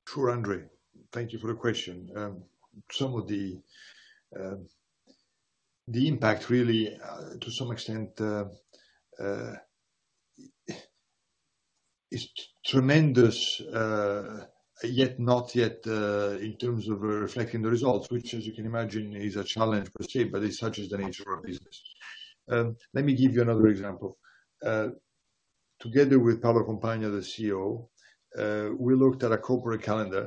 Sure, Andre. Thank you for the question. Some of the impact really to some extent is tremendous yet not yet in terms of reflecting the results, which as you can imagine, is a challenge per se, but it's such is the nature of business. Let me give you another example. Together with Paolo Compagna, the CEO, we looked at a corporate calendar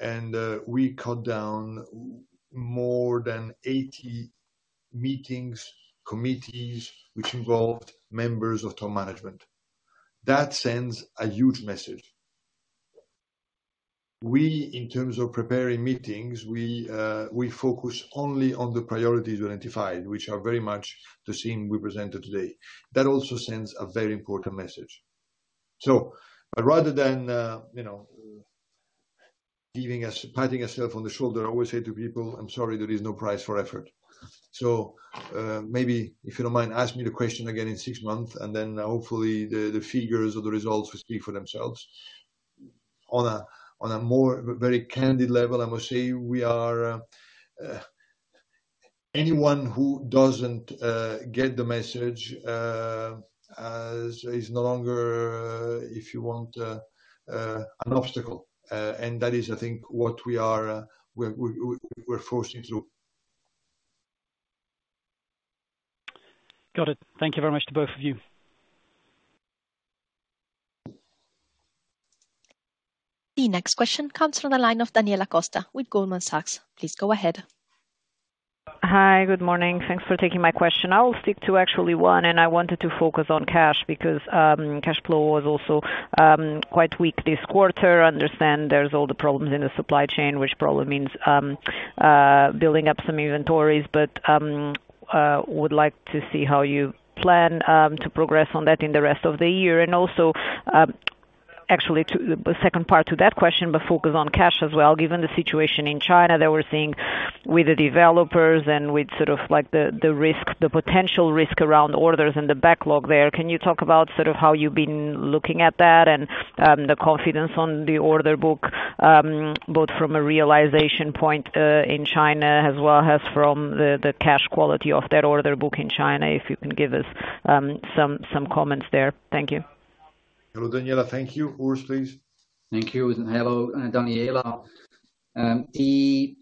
and we cut down more than 80 meetings, committees, which involved members of top management. That sends a huge message. We in terms of preparing meetings we focus only on the priorities we identified, which are very much the same we presented today. That also sends a very important message. Rather than, you know, giving us patting ourselves on the shoulder, I always say to people, "I'm sorry, there is no prize for effort." Maybe if you don't mind, ask me the question again in six months, and then hopefully the figures or the results will speak for themselves. On a more candid level, I must say anyone who doesn't get the message is no longer, if you want, an obstacle. That is, I think, what we're forcing through. Got it. Thank you very much to both of you. The next question comes from the line of Daniela Costa with Goldman Sachs. Please go ahead. Hi. Good morning. Thanks for taking my question. I will stick to actually one, and I wanted to focus on cash because cash flow was also quite weak this quarter. I understand there's all the problems in the supply chain, which probably means building up some inventories, but would like to see how you plan to progress on that in the rest of the year. Also, actually to the second part to that question, but focus on cash as well, given the situation in China that we're seeing with the developers and with sort of like the risk, the potential risk around orders and the backlog there Can you talk about sort of how you've been looking at that and, the confidence on the order book, both from a realization point, in China as well as from the cash quality of that order book in China, if you can give us, some comments there. Thank you. Hello, Daniela. Thank you. Urs, please. Thank you. Hello, Daniela. The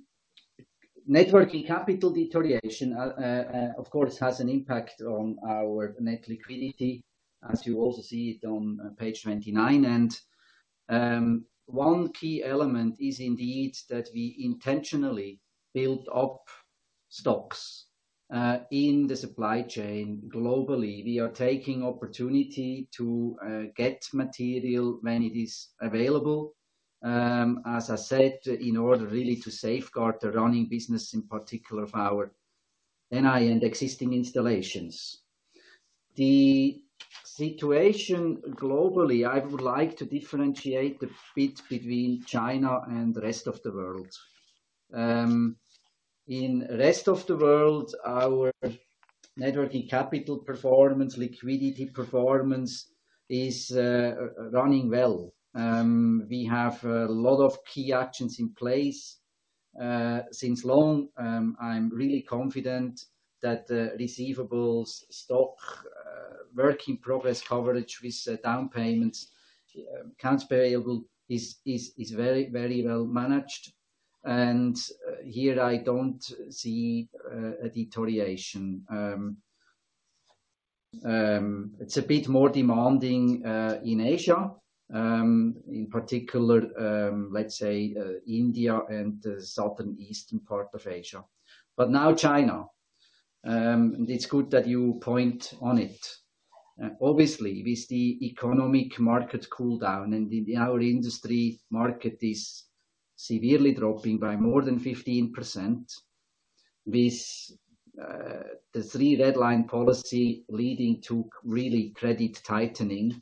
net working capital deterioration, of course, has an impact on our net liquidity, as you also see it on page 29. One key element is indeed that we intentionally build up stocks in the supply chain globally. We are taking opportunity to get material when it is available, as I said, in order really to safeguard the running business, in particular of our NI and existing installations. The situation globally, I would like to differentiate a bit between China and the rest of the world. In the rest of the world, our net working capital performance, liquidity performance is running well. We have a lot of key actions in place since long. I'm really confident that the receivables stock, work in progress coverage with down payments, accounts variable is very, very well managed. Here I don't see a deterioration. It's a bit more demanding in Asia, in particular, let's say, India and southeastern part of Asia. Now China, it's good that you pointed it out. Obviously, with the economic slowdown and in our industry market is severely dropping by more than 15% with the Three Red Lines policy leading to really credit tightening.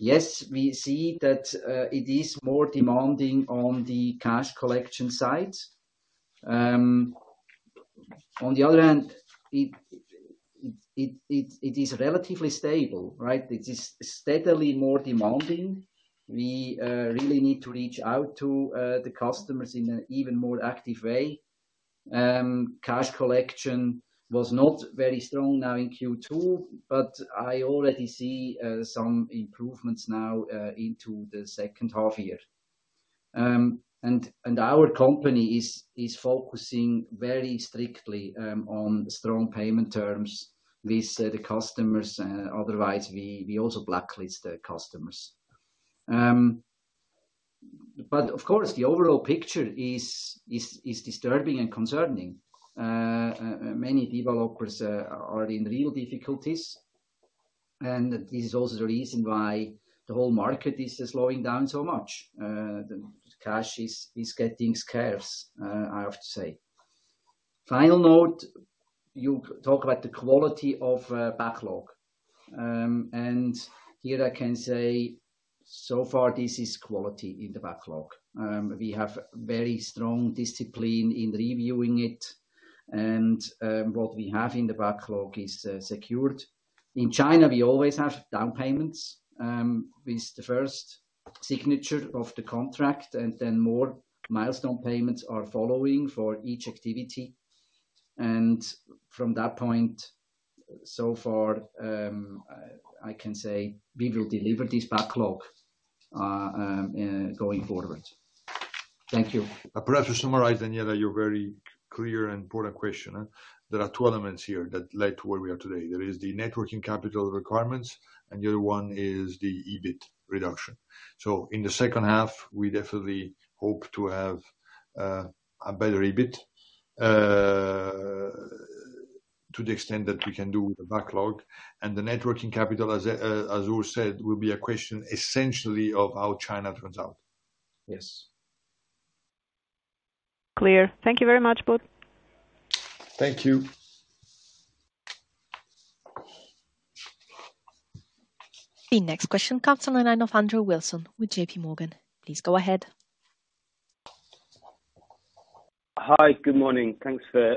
Yes, we see that it is more demanding on the cash collection side. On the other hand, it is relatively stable, right? It is steadily more demanding. We really need to reach out to the customers in an even more active way. Cash collection was not very very strong now in Q2, but I already see some improvements now into the second half year. Our company is focusing very strictly on strong payment terms with the customers. Otherwise, we also blacklist the customers. Of course, the overall picture is disturbing and concerning. Many developers are in real difficulties, and this is also the reason why the whole market is slowing down so much. The cash is getting scarce, I have to say. Final note, you talk about the quality of backlog. Here I can say so far this is quality in the backlog. We have very strong discipline in reviewing it, and what we have in the backlog is secured. In China, we always have down payments, with the first signature of the contract, and then more milestone payments are following for each activity. From that point, so far, I can say we will deliver this backlog, going forward. Thank you. Perhaps to summarize, Daniela, your very clear and important question. There are two elements here that led to where we are today. There is the net working capital requirements, and the other one is the EBIT reduction. So in the second half, we definitely hope to have a better EBIT to the extent that we can do with the backlog. The net working capital, as Urs said, will be a question essentially of how China turns out. Yes. Clear. Thank you very much, both. Thank you. The next question comes from the line of Andrew Wilson with JPMorgan. Please go ahead. Hi, good morning. Thanks for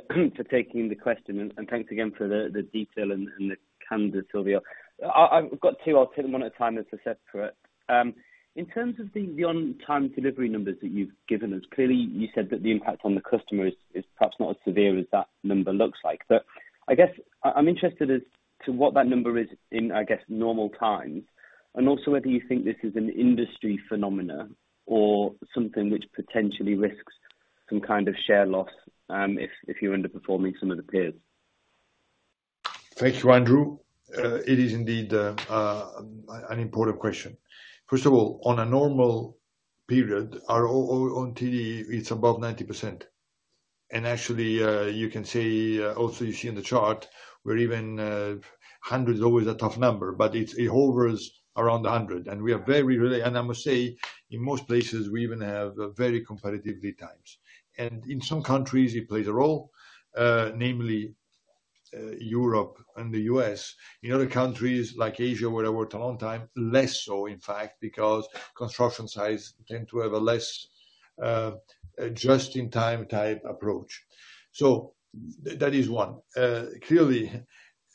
taking the question and thanks again for the detail and the candor, Silvio. I've got two. I'll take them one at a time if that's OK for it. In terms of the on-time delivery numbers that you've given us, clearly you said that the impact on the customer is perhaps not as severe as that number looks like. I guess I'm interested as to what that number is in, I guess, normal times. Also whether you think this is an industry phenomenon or something which potentially risks some kind of share loss, if you end up underperforming some of the peers. Thank you, Andrew. It is indeed an important question. First of all, on a normal period, our ONTD, it's above 90%. Actually, you can see in the chart, where even 100% is always a tough number, but it hovers around 100%. We are very reliable, and I must say, in most places, we even have very competitive lead times. In some countries, it plays a role, namely Europe and the U.S. In other countries like Asia, where I worked a long time, less so, in fact, because construction sites tend to have a less just-in-time type approach. That is one. Clearly,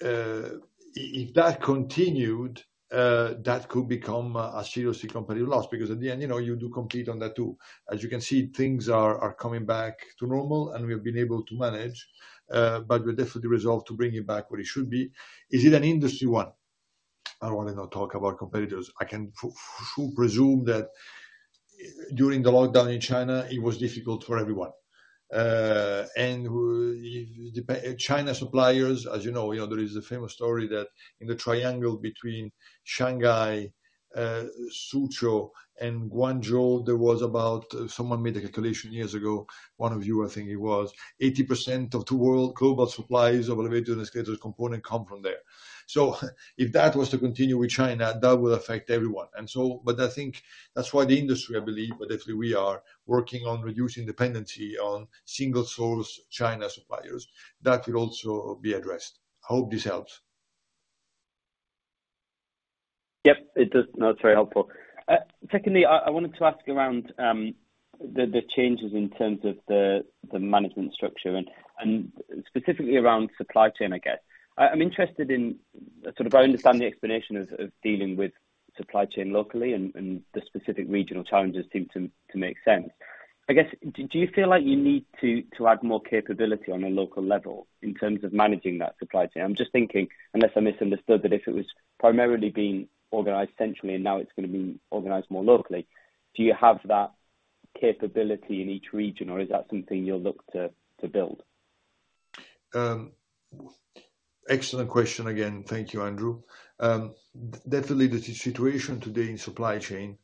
if that continued, that could become a serious competitive loss, because in the end, you know, you do compete on that too. As you can see, things are coming back to normal and we've been able to manage, but we're definitely resolved to bring it back where it should be. Is it an industry one? I'd rather not talk about competitors. I can assume that during the lockdown in China, it was difficult for everyone. China suppliers, as you know, there is a famous story that in the triangle between Shanghai, Suzhou and Guangzhou, someone made a calculation years ago, one of you, I think it was, 80% of the world global supplies of elevator and escalator component come from there. So if that was to continue with China, that will affect everyone. But I think that's why the industry, I believe, but definitely we are working on reducing dependency on single source China suppliers. That will also be addressed. I hope this helps. Yep, it does. No, it's very helpful. Secondly, I wanted to ask around the changes in terms of the management structure and specifically around supply chain, I guess. I'm interested in sort of, I understand the explanation of dealing with supply chain locally and the specific regional challenges seem to make sense. I guess, do you feel like you need to add more capability on a local level in terms of managing that supply chain? I'm just thinking, unless I misunderstood, that if it was primarily being organized centrally and now it's going to be organized more locally, do you have that capability in each region or is that something you'll look to build? Excellent question again. Thank you, Andrew. Definitely the situation today in supply chain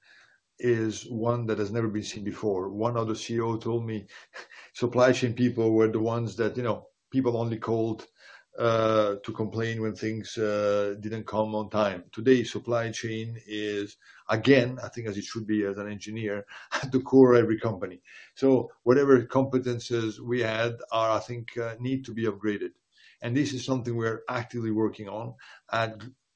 is one that has never been seen before. One other CEO told me supply chain people were the ones that, you know, people only called to complain when things didn't come on time. Today, supply chain is again, I think as it should be as an engineer, at the core of every company. Whatever competences we had are, I think, need to be upgraded. This is something we're actively working on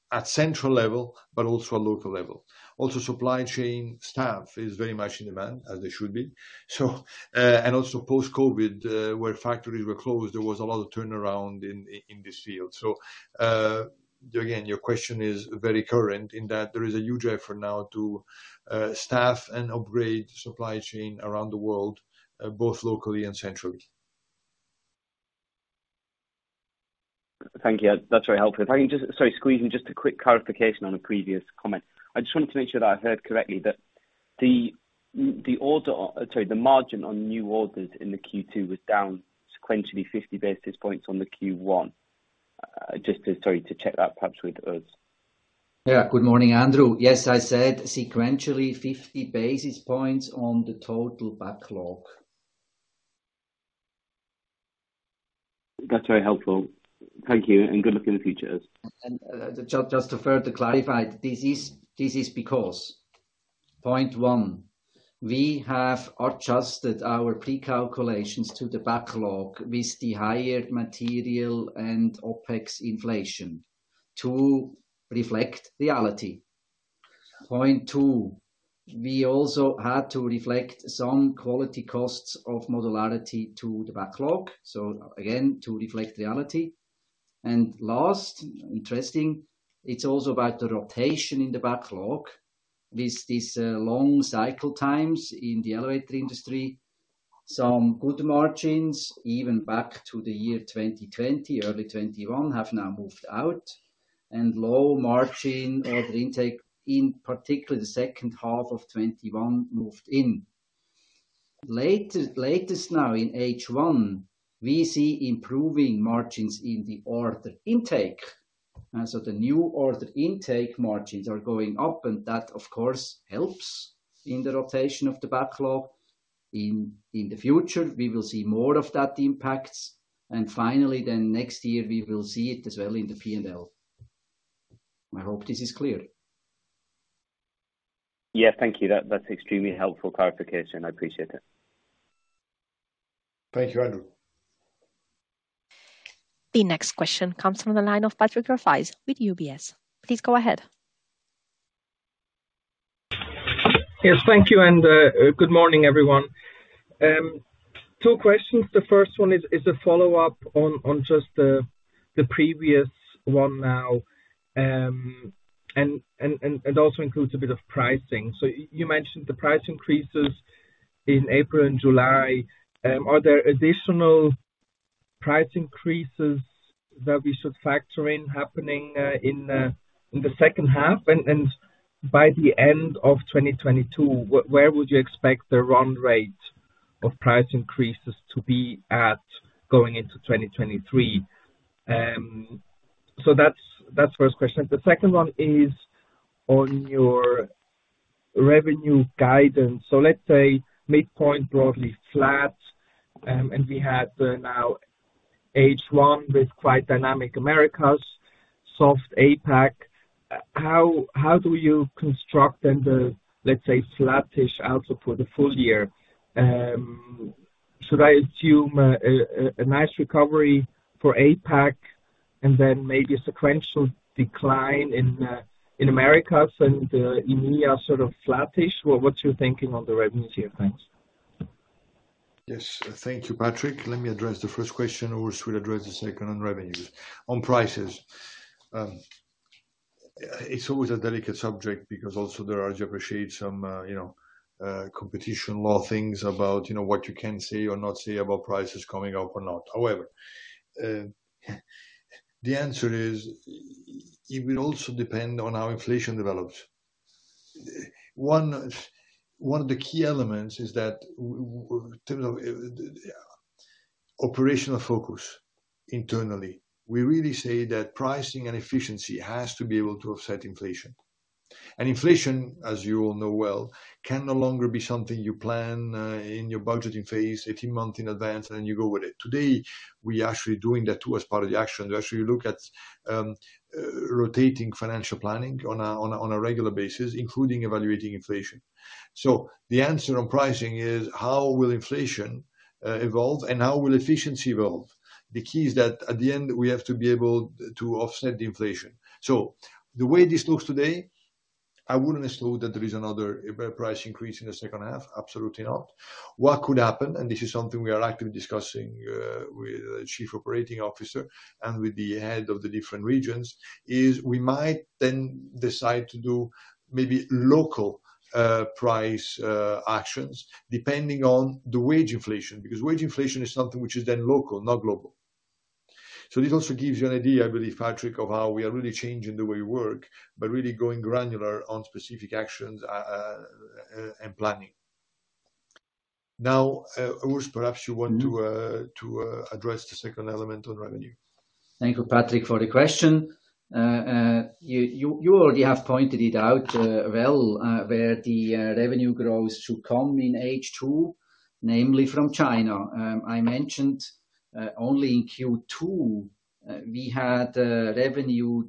at central level, but also a local level. Supply chain staff is very much in demand as they should be. Post-COVID, where factories were closed, there was a lot of turnaround in this field. Again, your question is very current in that there is a huge effort now to staff and upgrade supply chain around the world, both locally and centrally. Thank you. That's very helpful. If I can just, sorry, squeeze in just a quick clarification on a previous comment. I just wanted to make sure that I heard correctly that the margin on new orders in the Q2 was down sequentially 50 basis points on the Q1. Just to check that perhaps with Urs. Yeah. Good morning, Andrew. Yes, I said sequentially 50 basis points on the total backlog. That's very helpful. Thank you, and good luck in the future. Just to further clarify, this is because, point one, we have adjusted our pre-calculations to the backlog with the higher material and OpEx inflation to reflect reality. Point two, we also had to reflect some quality costs of modularity to the backlog. So again, to reflect reality. Last, interesting, it's also about the rotation in the backlog. With these long cycle times in the elevator industry, some good margins, even back to the year 2020, early 2021 have now moved out, and low margin order intake, in particular the second half of 2021 moved in. Latest now in H1, we see improving margins in the order intake. The new order intake margins are going up and that of course helps in the rotation of the backlog. In the future we will see more of that impact. Finally then next year we will see it as well in the P&L. I hope this is clear. Yeah, thank you. That's extremely helpful clarification. I appreciate it. Thank you, Andrew. The next question comes from the line of Patrick Rafaisz with UBS. Please go ahead. Yes, thank you, and good morning, everyone. Two questions. The first one is a follow-up on just the previous one now, and also includes a bit of pricing. You mentioned the price increases in April and July. Are there additional price increases that we should factor in happening in the second half? And by the end of 2022, where would you expect the run rate of price increases to be at going into 2023? So that's the first question. The second one is on your revenue guidance. Let's say midpoint broadly flat, and we had now H1 with quite dynamic Americas, soft APAC. How do you construct then the, let's say, flattish outlook for the full year? Should I assume a nice recovery for APAC and then maybe a sequential decline in Americas and EMEA sort of flattish? What's your thinking on the revenue tier? Thanks. Yes. Thank you, Patrick. Let me address the first question. Urs will address the second on revenues. On prices, it's always a delicate subject because also there are guidelines on competition law things about what you can say or not say about prices coming up or not. However, the answer is it will also depend on how inflation develops. One of the key elements is that well, you know, operational focus internally. We really say that pricing and efficiency has to be able to offset inflation. Inflation, as you all know well, can no longer be something you plan in your budgeting phase 18 months in advance, and then you go with it. Today, we actually doing that too as part of the action. We actually look at rotating financial planning on a regular basis, including evaluating inflation. The answer on pricing is how will inflation evolve and how will efficiency evolve? The key is that at the end, we have to be able to offset the inflation. The way this looks today, I wouldn't exclude that there is another price increase in the second half. Absolutely not. What could happen, and this is something we are actively discussing with Chief Operating Officer and with the head of the different regions, is we might then decide to do maybe local price actions depending on the wage inflation. Because wage inflation is something which is then local, not global. This also gives you an idea, I believe, Patrick, of how we are really changing the way we work, by really going granular on specific actions, and planning. Now, Urs, perhaps you want to address the second element on revenue. Thank you, Patrick, for the question. You already have pointed it out, well, where the revenue growth should come in H2, namely from China. I mentioned only in Q2 we had a revenue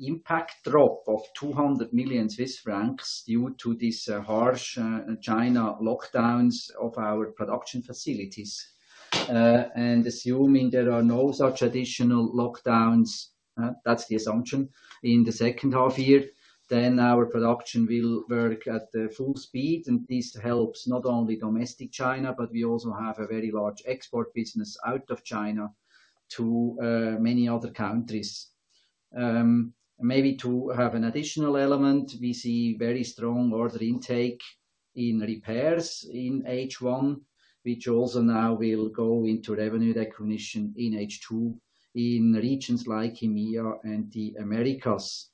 impact drop of 200 million Swiss francs due to these harsh China lockdowns of our production facilities. Assuming there are no such additional lockdowns, that's the assumption, in the second half year, then our production will work at full speed. This helps not only domestic China, but we also have a very large export business out of China to many other countries. Maybe to have an additional element, we see very strong order intake in repairs in H1, which also now will go into revenue recognition in H2 in regions like EMEA and the Americas.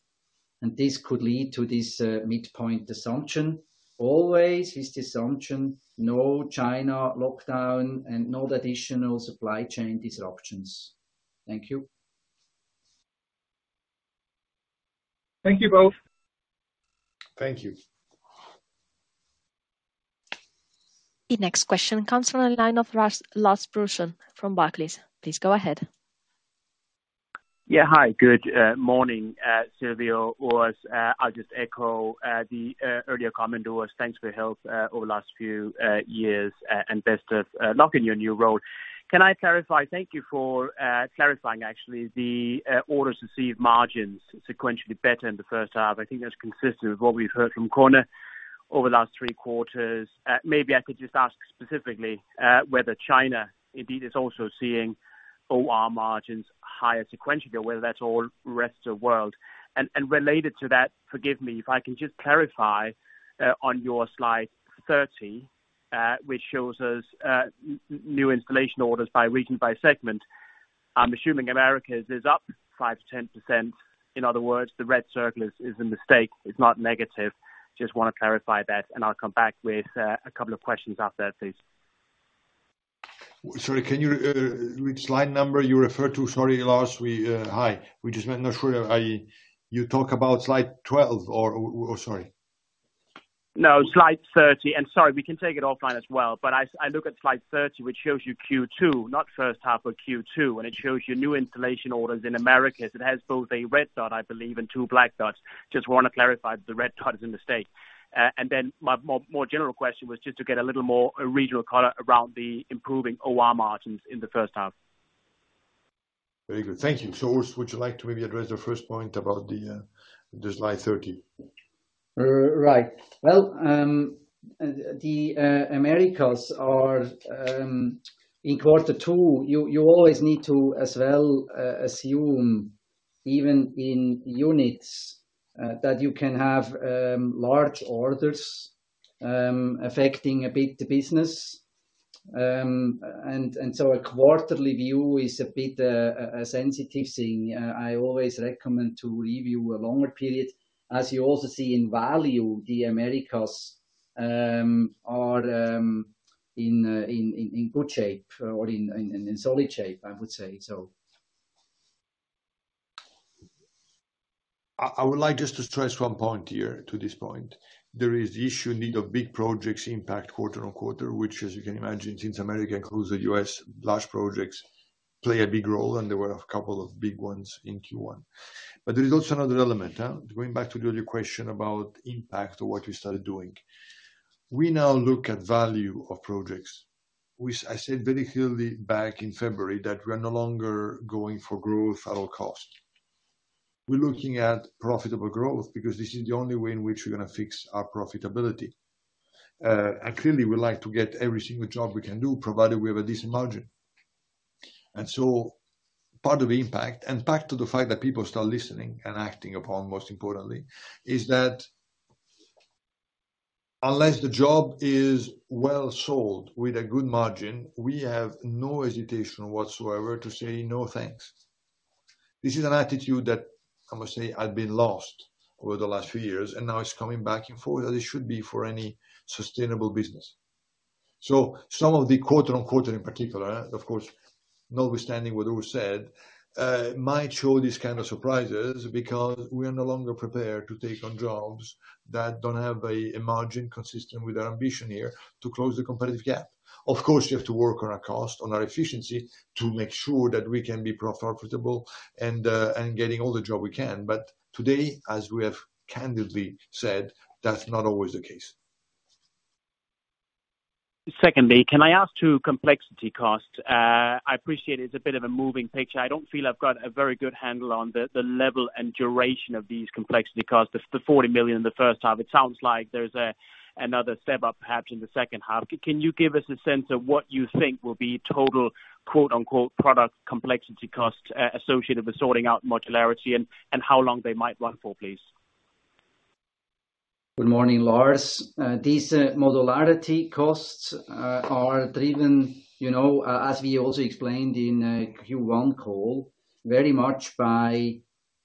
This could lead to this midpoint assumption. Always with the assumption, no China lockdown and no additional supply chain disruptions. Thank you. Thank you both. Thank you. The next question comes from the line of Lars Brorson from Barclays. Please go ahead. Yeah. Hi, good morning, Silvio, Urs. I'll just echo the earlier comment, Urs. Thanks for your help over the last few years and best of luck in your new role. Can I clarify? Thank you for clarifying actually the orders received margins sequentially better in the first half. I think that's consistent with what we've heard from KONE over the last three quarters. Maybe I could just ask specifically whether China indeed is also seeing operating margins higher sequentially, or whether that's all rest of world. Related to that, forgive me, if I can just clarify on your slide 30, which shows us new installation orders by region, by segment. I'm assuming Americas is up 5%-10%. In other words, the red circle is a mistake. It's not negative. Just wanna clarify that, and I'll come back with a couple of questions after, please. Sorry. Can you, which slide number you refer to? Sorry, Lars. We Hi. We just not sure. You talk about slide 12 or sorry. No, slide 30. Sorry, we can take it offline as well. I look at slide 30, which shows you Q2, not first half of Q2, and it shows you new installation orders in Americas. It has both a red dot, I believe, and two black dots. Just wanna clarify if the red dot is a mistake. My more general question was just to get a little more regional color around the improving operating margins in the first half. Very good. Thank you. Urs, would you like to maybe address the first point about the slide 30? Right. Well, the Americas are in quarter two, you always need to as well assume even in units that you can have large orders affecting a bit the business. A quarterly view is a bit a sensitive thing. I always recommend to review a longer period. As you also see in value, the Americas are in good shape or in solid shape, I would say so. I would like just to stress one point here to this point. There is the issue and need of big projects impact quarter-on-quarter, which as you can imagine, since America includes the U.S., large projects play a big role, and there were a couple of big ones in Q1. There is also another element, going back to the other question about impact or what you started doing. We now look at value of projects, which I said very clearly back in February that we are no longer going for growth at all costs. We're looking at profitable growth because this is the only way in which we're gonna fix our profitability. And clearly, we like to get every single job we can do, provided we have a decent margin. Part of the impact and back to the fact that people start listening and acting upon, most importantly, is that unless the job is well sold with a good margin, we have no hesitation whatsoever to say, "No, thanks." This is an attitude that I must say I've been lost over the last few years, and now it's coming back and forth, as it should be for any sustainable business. Some of the quarter-on-quarter in particular, of course, notwithstanding what Urs said, might show these kind of surprises because we are no longer prepared to take on jobs that don't have a margin consistent with our ambition here to close the competitive gap. Of course, we have to work on our cost, on our efficiency to make sure that we can be profitable and getting all the job we can. Today, as we have candidly said, that's not always the case. Secondly, can I ask about complexity costs? I appreciate it's a bit of a moving picture. I don't feel I've got a very good handle on the level and duration of these complexity costs. The 40 million in the first half, it sounds like there's another step up perhaps in the second half. Can you give us a sense of what you think will be total "product complexity costs" associated with sorting out modularity and how long they might run for, please? Good morning, Lars. These modularity costs are driven, you know, as we also explained in Q1 call, very much by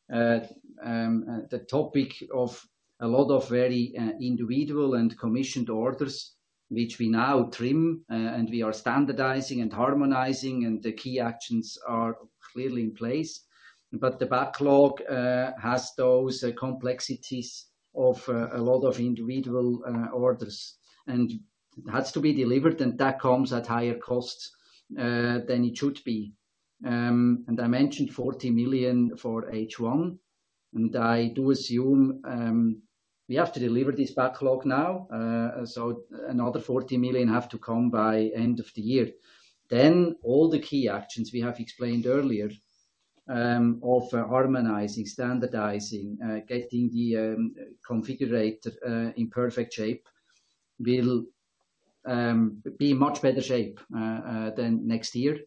the topic of a lot of very individual and commissioned orders, which we now trim and we are standardizing and harmonizing, and the key actions are clearly in place. The backlog has those complexities of a lot of individual orders, and it has to be delivered, and that comes at higher costs than it should be. I mentioned 40 million for H1, and I do assume we have to deliver this backlog now, so another 40 million have to come by end of the year. All the key actions we have explained earlier, of harmonizing, standardizing, getting the configurator in perfect shape will be in much better shape than next year.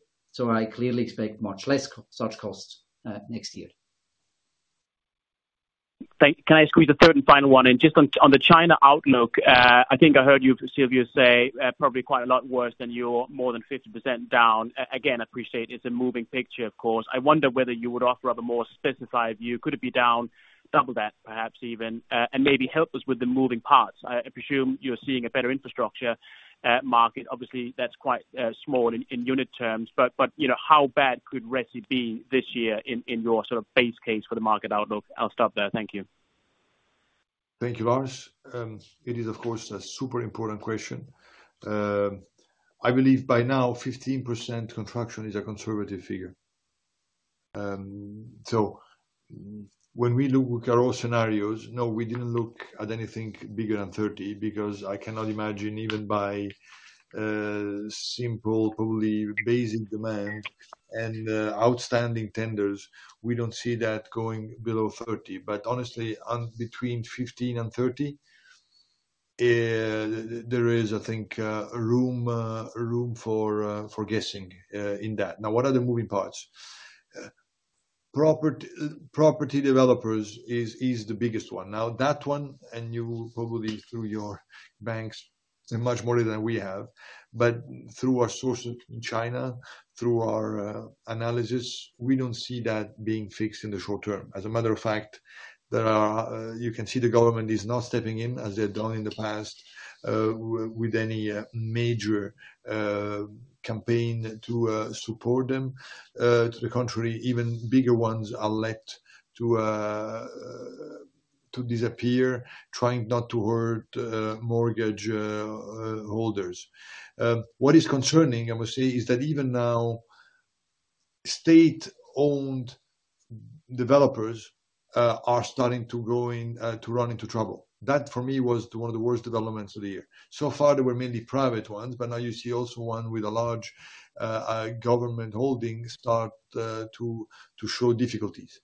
I clearly expect much less such costs next year. Thank you. Can I squeeze a third and final one in? Just on the China outlook, I think I heard you, Silvio, say probably quite a lot worse than you're more than 50% down. Again, appreciate it's a moving picture, of course. I wonder whether you would offer a more specified view. Could it be down double that perhaps even? And maybe help us with the moving parts. I presume you're seeing a better infrastructure market. Obviously, that's quite small in unit terms. But you know, how bad could RESI be this year in your sort of base case for the market outlook? I'll stop there. Thank you. Thank you, Lars. It is of course a super important question. I believe by now 15% contraction is a conservative figure. When we look at all scenarios, no, we didn't look at anything bigger than 30% because I cannot imagine even by simple, probably basic demand and outstanding tenders, we don't see that going below 30%. Honestly, between 15% and 30%, there is, I think, room for guessing in that. Now, what are the moving parts? Property developers is the biggest one. Now, that one, and you will probably through your banks, much more than we have, but through our sources in China, through our analysis, we don't see that being fixed in the short term. As a matter of fact, you can see the government is not stepping in as they've done in the past, with any major campaign to support them. To the contrary, even bigger ones are left to disappear, trying not to hurt mortgage holders. What is concerning, I must say, is that even now, state-owned developers are starting to run into trouble. That, for me, was one of the worst developments of the year. So far they were mainly private ones, but now you see also one with a large government holdings starting to show difficulties.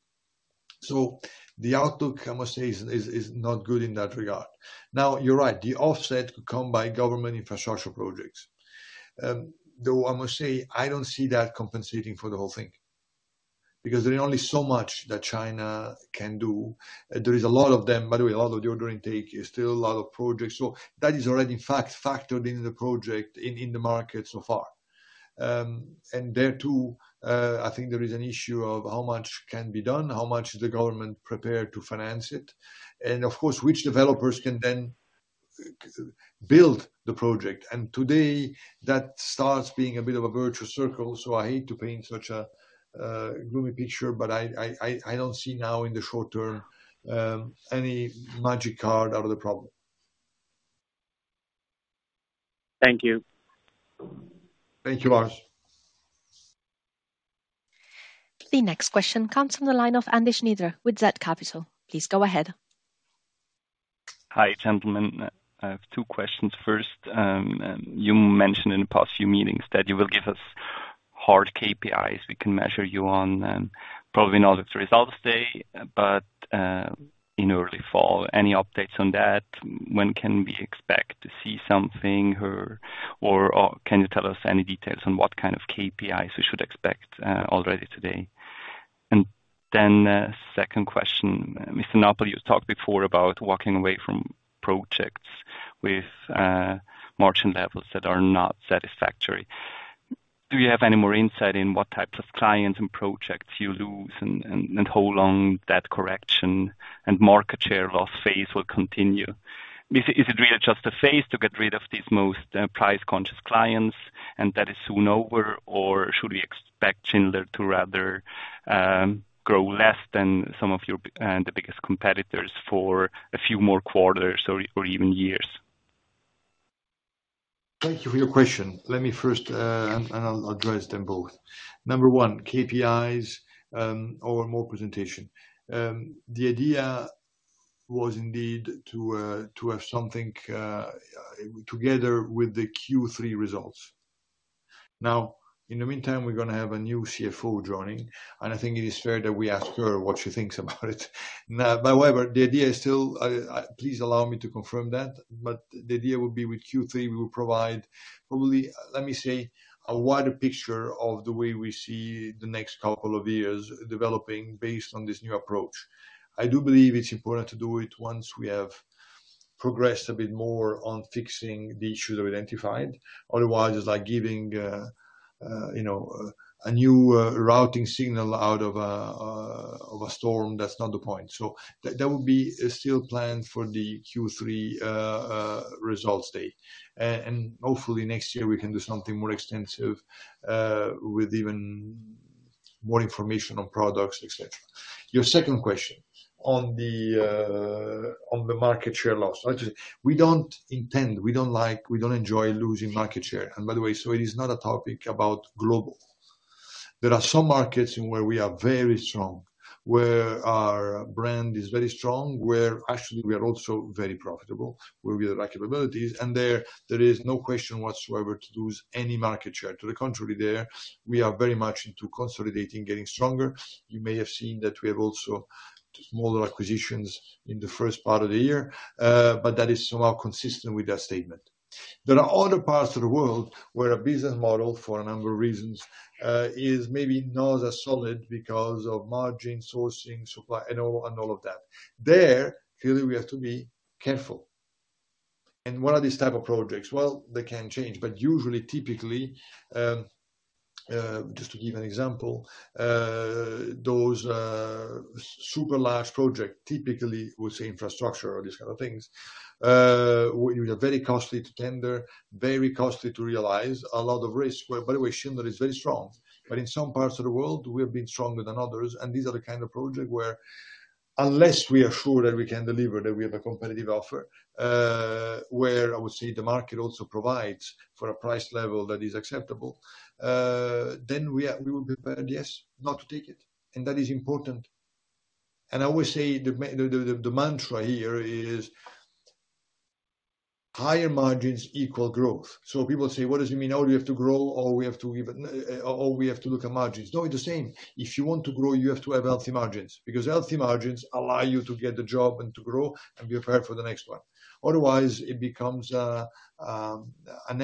The outlook, I must say, is not good in that regard. Now, you're right, the offset could come by government infrastructure projects. Though I must say, I don't see that compensating for the whole thing. Because there is only so much that China can do. There is a lot of them, by the way, a lot of the order intake is still a lot of projects. That is already factored into the projects in the market so far. There too, I think there is an issue of how much can be done, how much is the government prepared to finance it? Of course, which developers can then build the project. Today, that starts being a bit of a vicious circle, so I hate to paint such a gloomy picture, but I don't see now in the short term any magic card out of the problem. Thank you. Thank you, Lars. The next question comes from the line of Andy Schnyder with zCapital. Please go ahead. Hi, gentlemen. I have two questions. First, you mentioned in the past few meetings that you will give us hard KPIs we can measure you on, probably not at the results day, but in early fall. Any updates on that? When can we expect to see something or can you tell us any details on what kind of KPIs we should expect already today? Second question. Mr. Napoli, you talked before about walking away from projects with margin levels that are not satisfactory. Do you have any more insight in what types of clients and projects you lose and how long that correction and market share loss phase will continue? Is it really just a phase to get rid of these most price-conscious clients, and that is soon over? Should we expect Schindler to rather grow less than some of your the biggest competitors for a few more quarters or even years? Thank you for your question. Let me first and I'll address them both. Number one, KPIs or more presentation. The idea was indeed to have something together with the Q3 results. Now, in the meantime, we're gonna have a new CFO joining, and I think it is fair that we ask her what she thinks about it. Now, by the way, the idea is still, please allow me to confirm that, but the idea would be with Q3, we will provide probably, let me say, a wider picture of the way we see the next couple of years developing based on this new approach. I do believe it's important to do it once we have progressed a bit more on fixing the issues we've identified. Otherwise, it's like giving you know a new routing signal out of a storm. That's not the point. That would be still planned for the Q3 results date. Hopefully next year we can do something more extensive with even more information on products, et cetera. Your second question on the market share loss. We don't intend, we don't like, we don't enjoy losing market share. By the way, it is not a topic about global. There are some markets in where we are very strong, where our brand is very strong, where actually we are also very profitable, where we have capabilities. There is no question whatsoever to lose any market share. To the contrary, we are very much into consolidating, getting stronger. You may have seen that we have also smaller acquisitions in the first part of the year, but that is somehow consistent with that statement. There are other parts of the world where a business model, for a number of reasons, is maybe not as solid because of margin, sourcing, supply, and all, and all of that. There, clearly, we have to be careful. What are these type of projects? Well, they can change, but usually, typically, just to give an example, those super large project, typically, we say infrastructure or these kind of things, we are very costly to tender, very costly to realize. A lot of risk, where by the way, Schindler is very strong. In some parts of the world, we have been stronger than others. These are the kind of project where unless we are sure that we can deliver, that we have a competitive offer, where I would say the market also provides for a price level that is acceptable, then we will be prepared, yes, not to take it. That is important. I always say the mantra here is higher margins equal growth. People say, "What does it mean? Oh, we have to grow, or we have to look at margins." No, it's the same. If you want to grow, you have to have healthy margins because healthy margins allow you to get the job and to grow and be prepared for the next one. Otherwise, it becomes a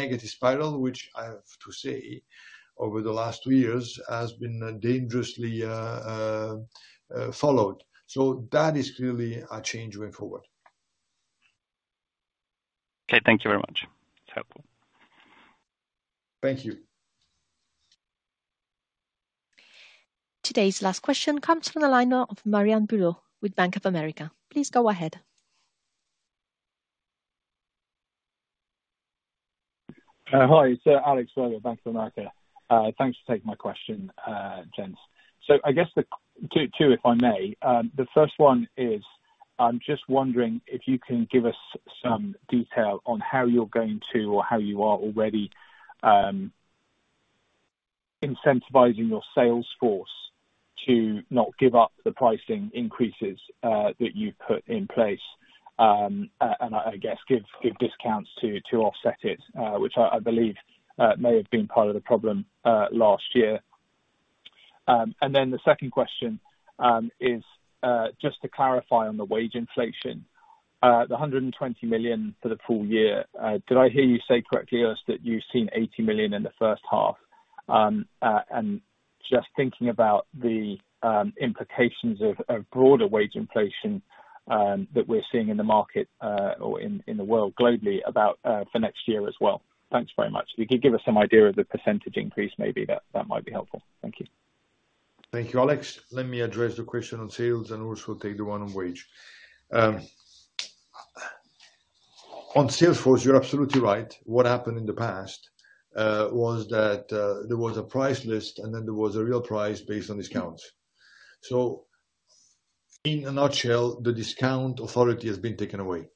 negative spiral, which I have to say, over the last two years has been dangerously followed. That is clearly a change going forward. Okay, thank you very much. It's helpful. Thank you. Today's last question comes from the line of [Mariam Buro] with Bank of America. Please go ahead. Hi. It's Alex Virgo, Bank of America. Thanks for taking my question, gents. I guess the two if I may. The first one is. I'm just wondering if you can give us some detail on how you're going to or how you are already incentivizing your sales force to not give up the pricing increases that you've put in place, and I guess give discounts to offset it, which I believe may have been part of the problem last year. The second question is just to clarify on the wage inflation, the 120 million for the full year, did I hear you say correctly, Urs, that you've seen 80 million in the first half? Just thinking about the implications of broader wage inflation that we're seeing in the market or in the world globally about for next year as well. Thanks very much. If you could give us some idea of the percentage increase maybe that might be helpful. Thank you. Thank you, Alex. Let me address the question on sales and also take the one on wage. On sales force, you're absolutely right. What happened in the past was that there was a price list and then there was a real price based on discounts. In a nutshell, the discount authority has been taken away,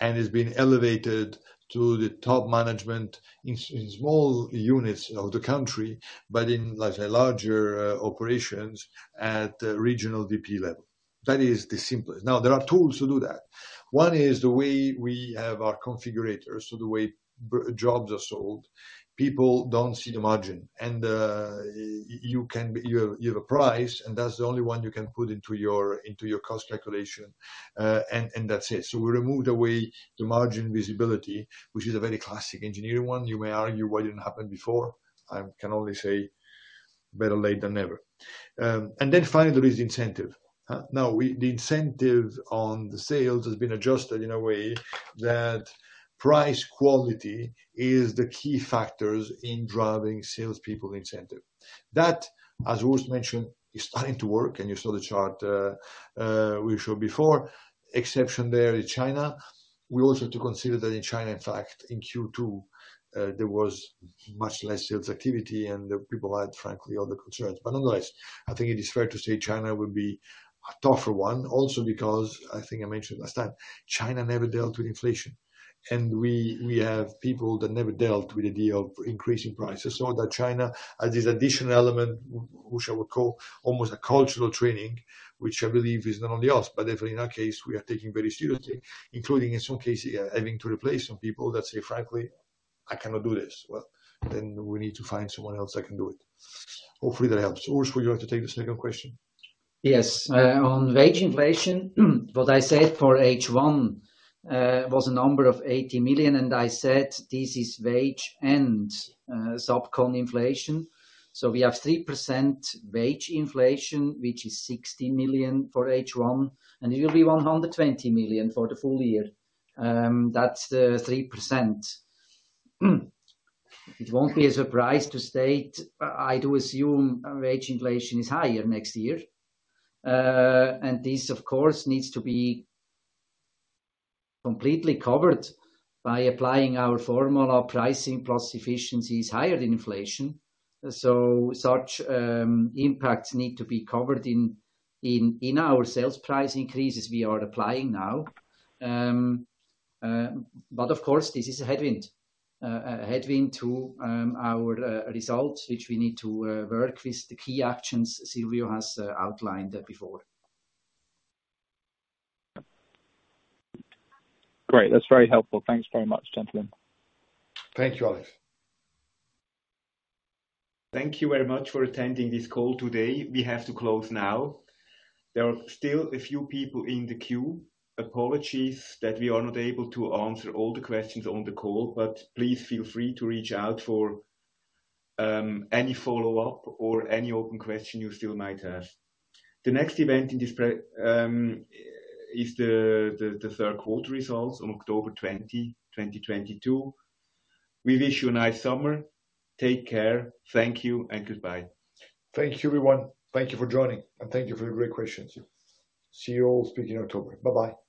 and it's been elevated to the top management in small units of the country, but in larger operations at the regional DP level. That is the simplest. Now, there are tools to do that. One is the way we have our configurator, so the way jobs are sold. People don't see the margin. You have a price, and that's the only one you can put into your cost calculation. That's it. We removed away the margin visibility, which is a very classic engineering one. You may argue why it didn't happen before. I can only say better late than never. Finally, there is incentive. The incentives on the sales has been adjusted in a way that price quality is the key factors in driving salespeople incentive. That, as Urs mentioned, is starting to work, and you saw the chart we showed before. Exception there is China. We also have to consider that in China, in fact, in Q2, there was much less sales activity and the people had, frankly, other concerns. Nonetheless, I think it is fair to say China would be a tougher one also because I think I mentioned last time, China never dealt with inflation. We have people that never dealt with the idea of increasing prices. That China has this additional element, which I would call almost a cultural training, which I believe is not only us, but definitely in our case, we are taking very seriously, including, in some cases, having to replace some people that say, frankly, "I cannot do this." Well, then we need to find someone else that can do it. Hopefully, that helps. Urs, will you have to take the second question? Yes. On wage inflation, what I said for H1 was a number of 80 million, and I said this is wage and sub con inflation. We have 3% wage inflation, which is 60 million for H1, and it will be 120 million for the full year. That's the 3%. It won't be a surprise to state, I do assume wage inflation is higher next year. This, of course, needs to be completely covered by applying our formula, pricing plus efficiencies higher than inflation. Such impacts need to be covered in our sales price increases we are applying now. But of course, this is a headwind. A headwind to our results, which we need to work with the key actions Silvio has outlined before. Great. That's very helpful. Thanks very much, gentlemen. Thank you, Alex. Thank you very much for attending this call today. We have to close now. There are still a few people in the queue. Apologies that we are not able to answer all the questions on the call, but please feel free to reach out for any follow-up or any open question you still might have. The next event is the third quarter results on October 20, 2022. We wish you a nice summer. Take care. Thank you and goodbye. Thank you, everyone. Thank you for joining, and thank you for your great questions. See you all speaking in October. Bye-bye.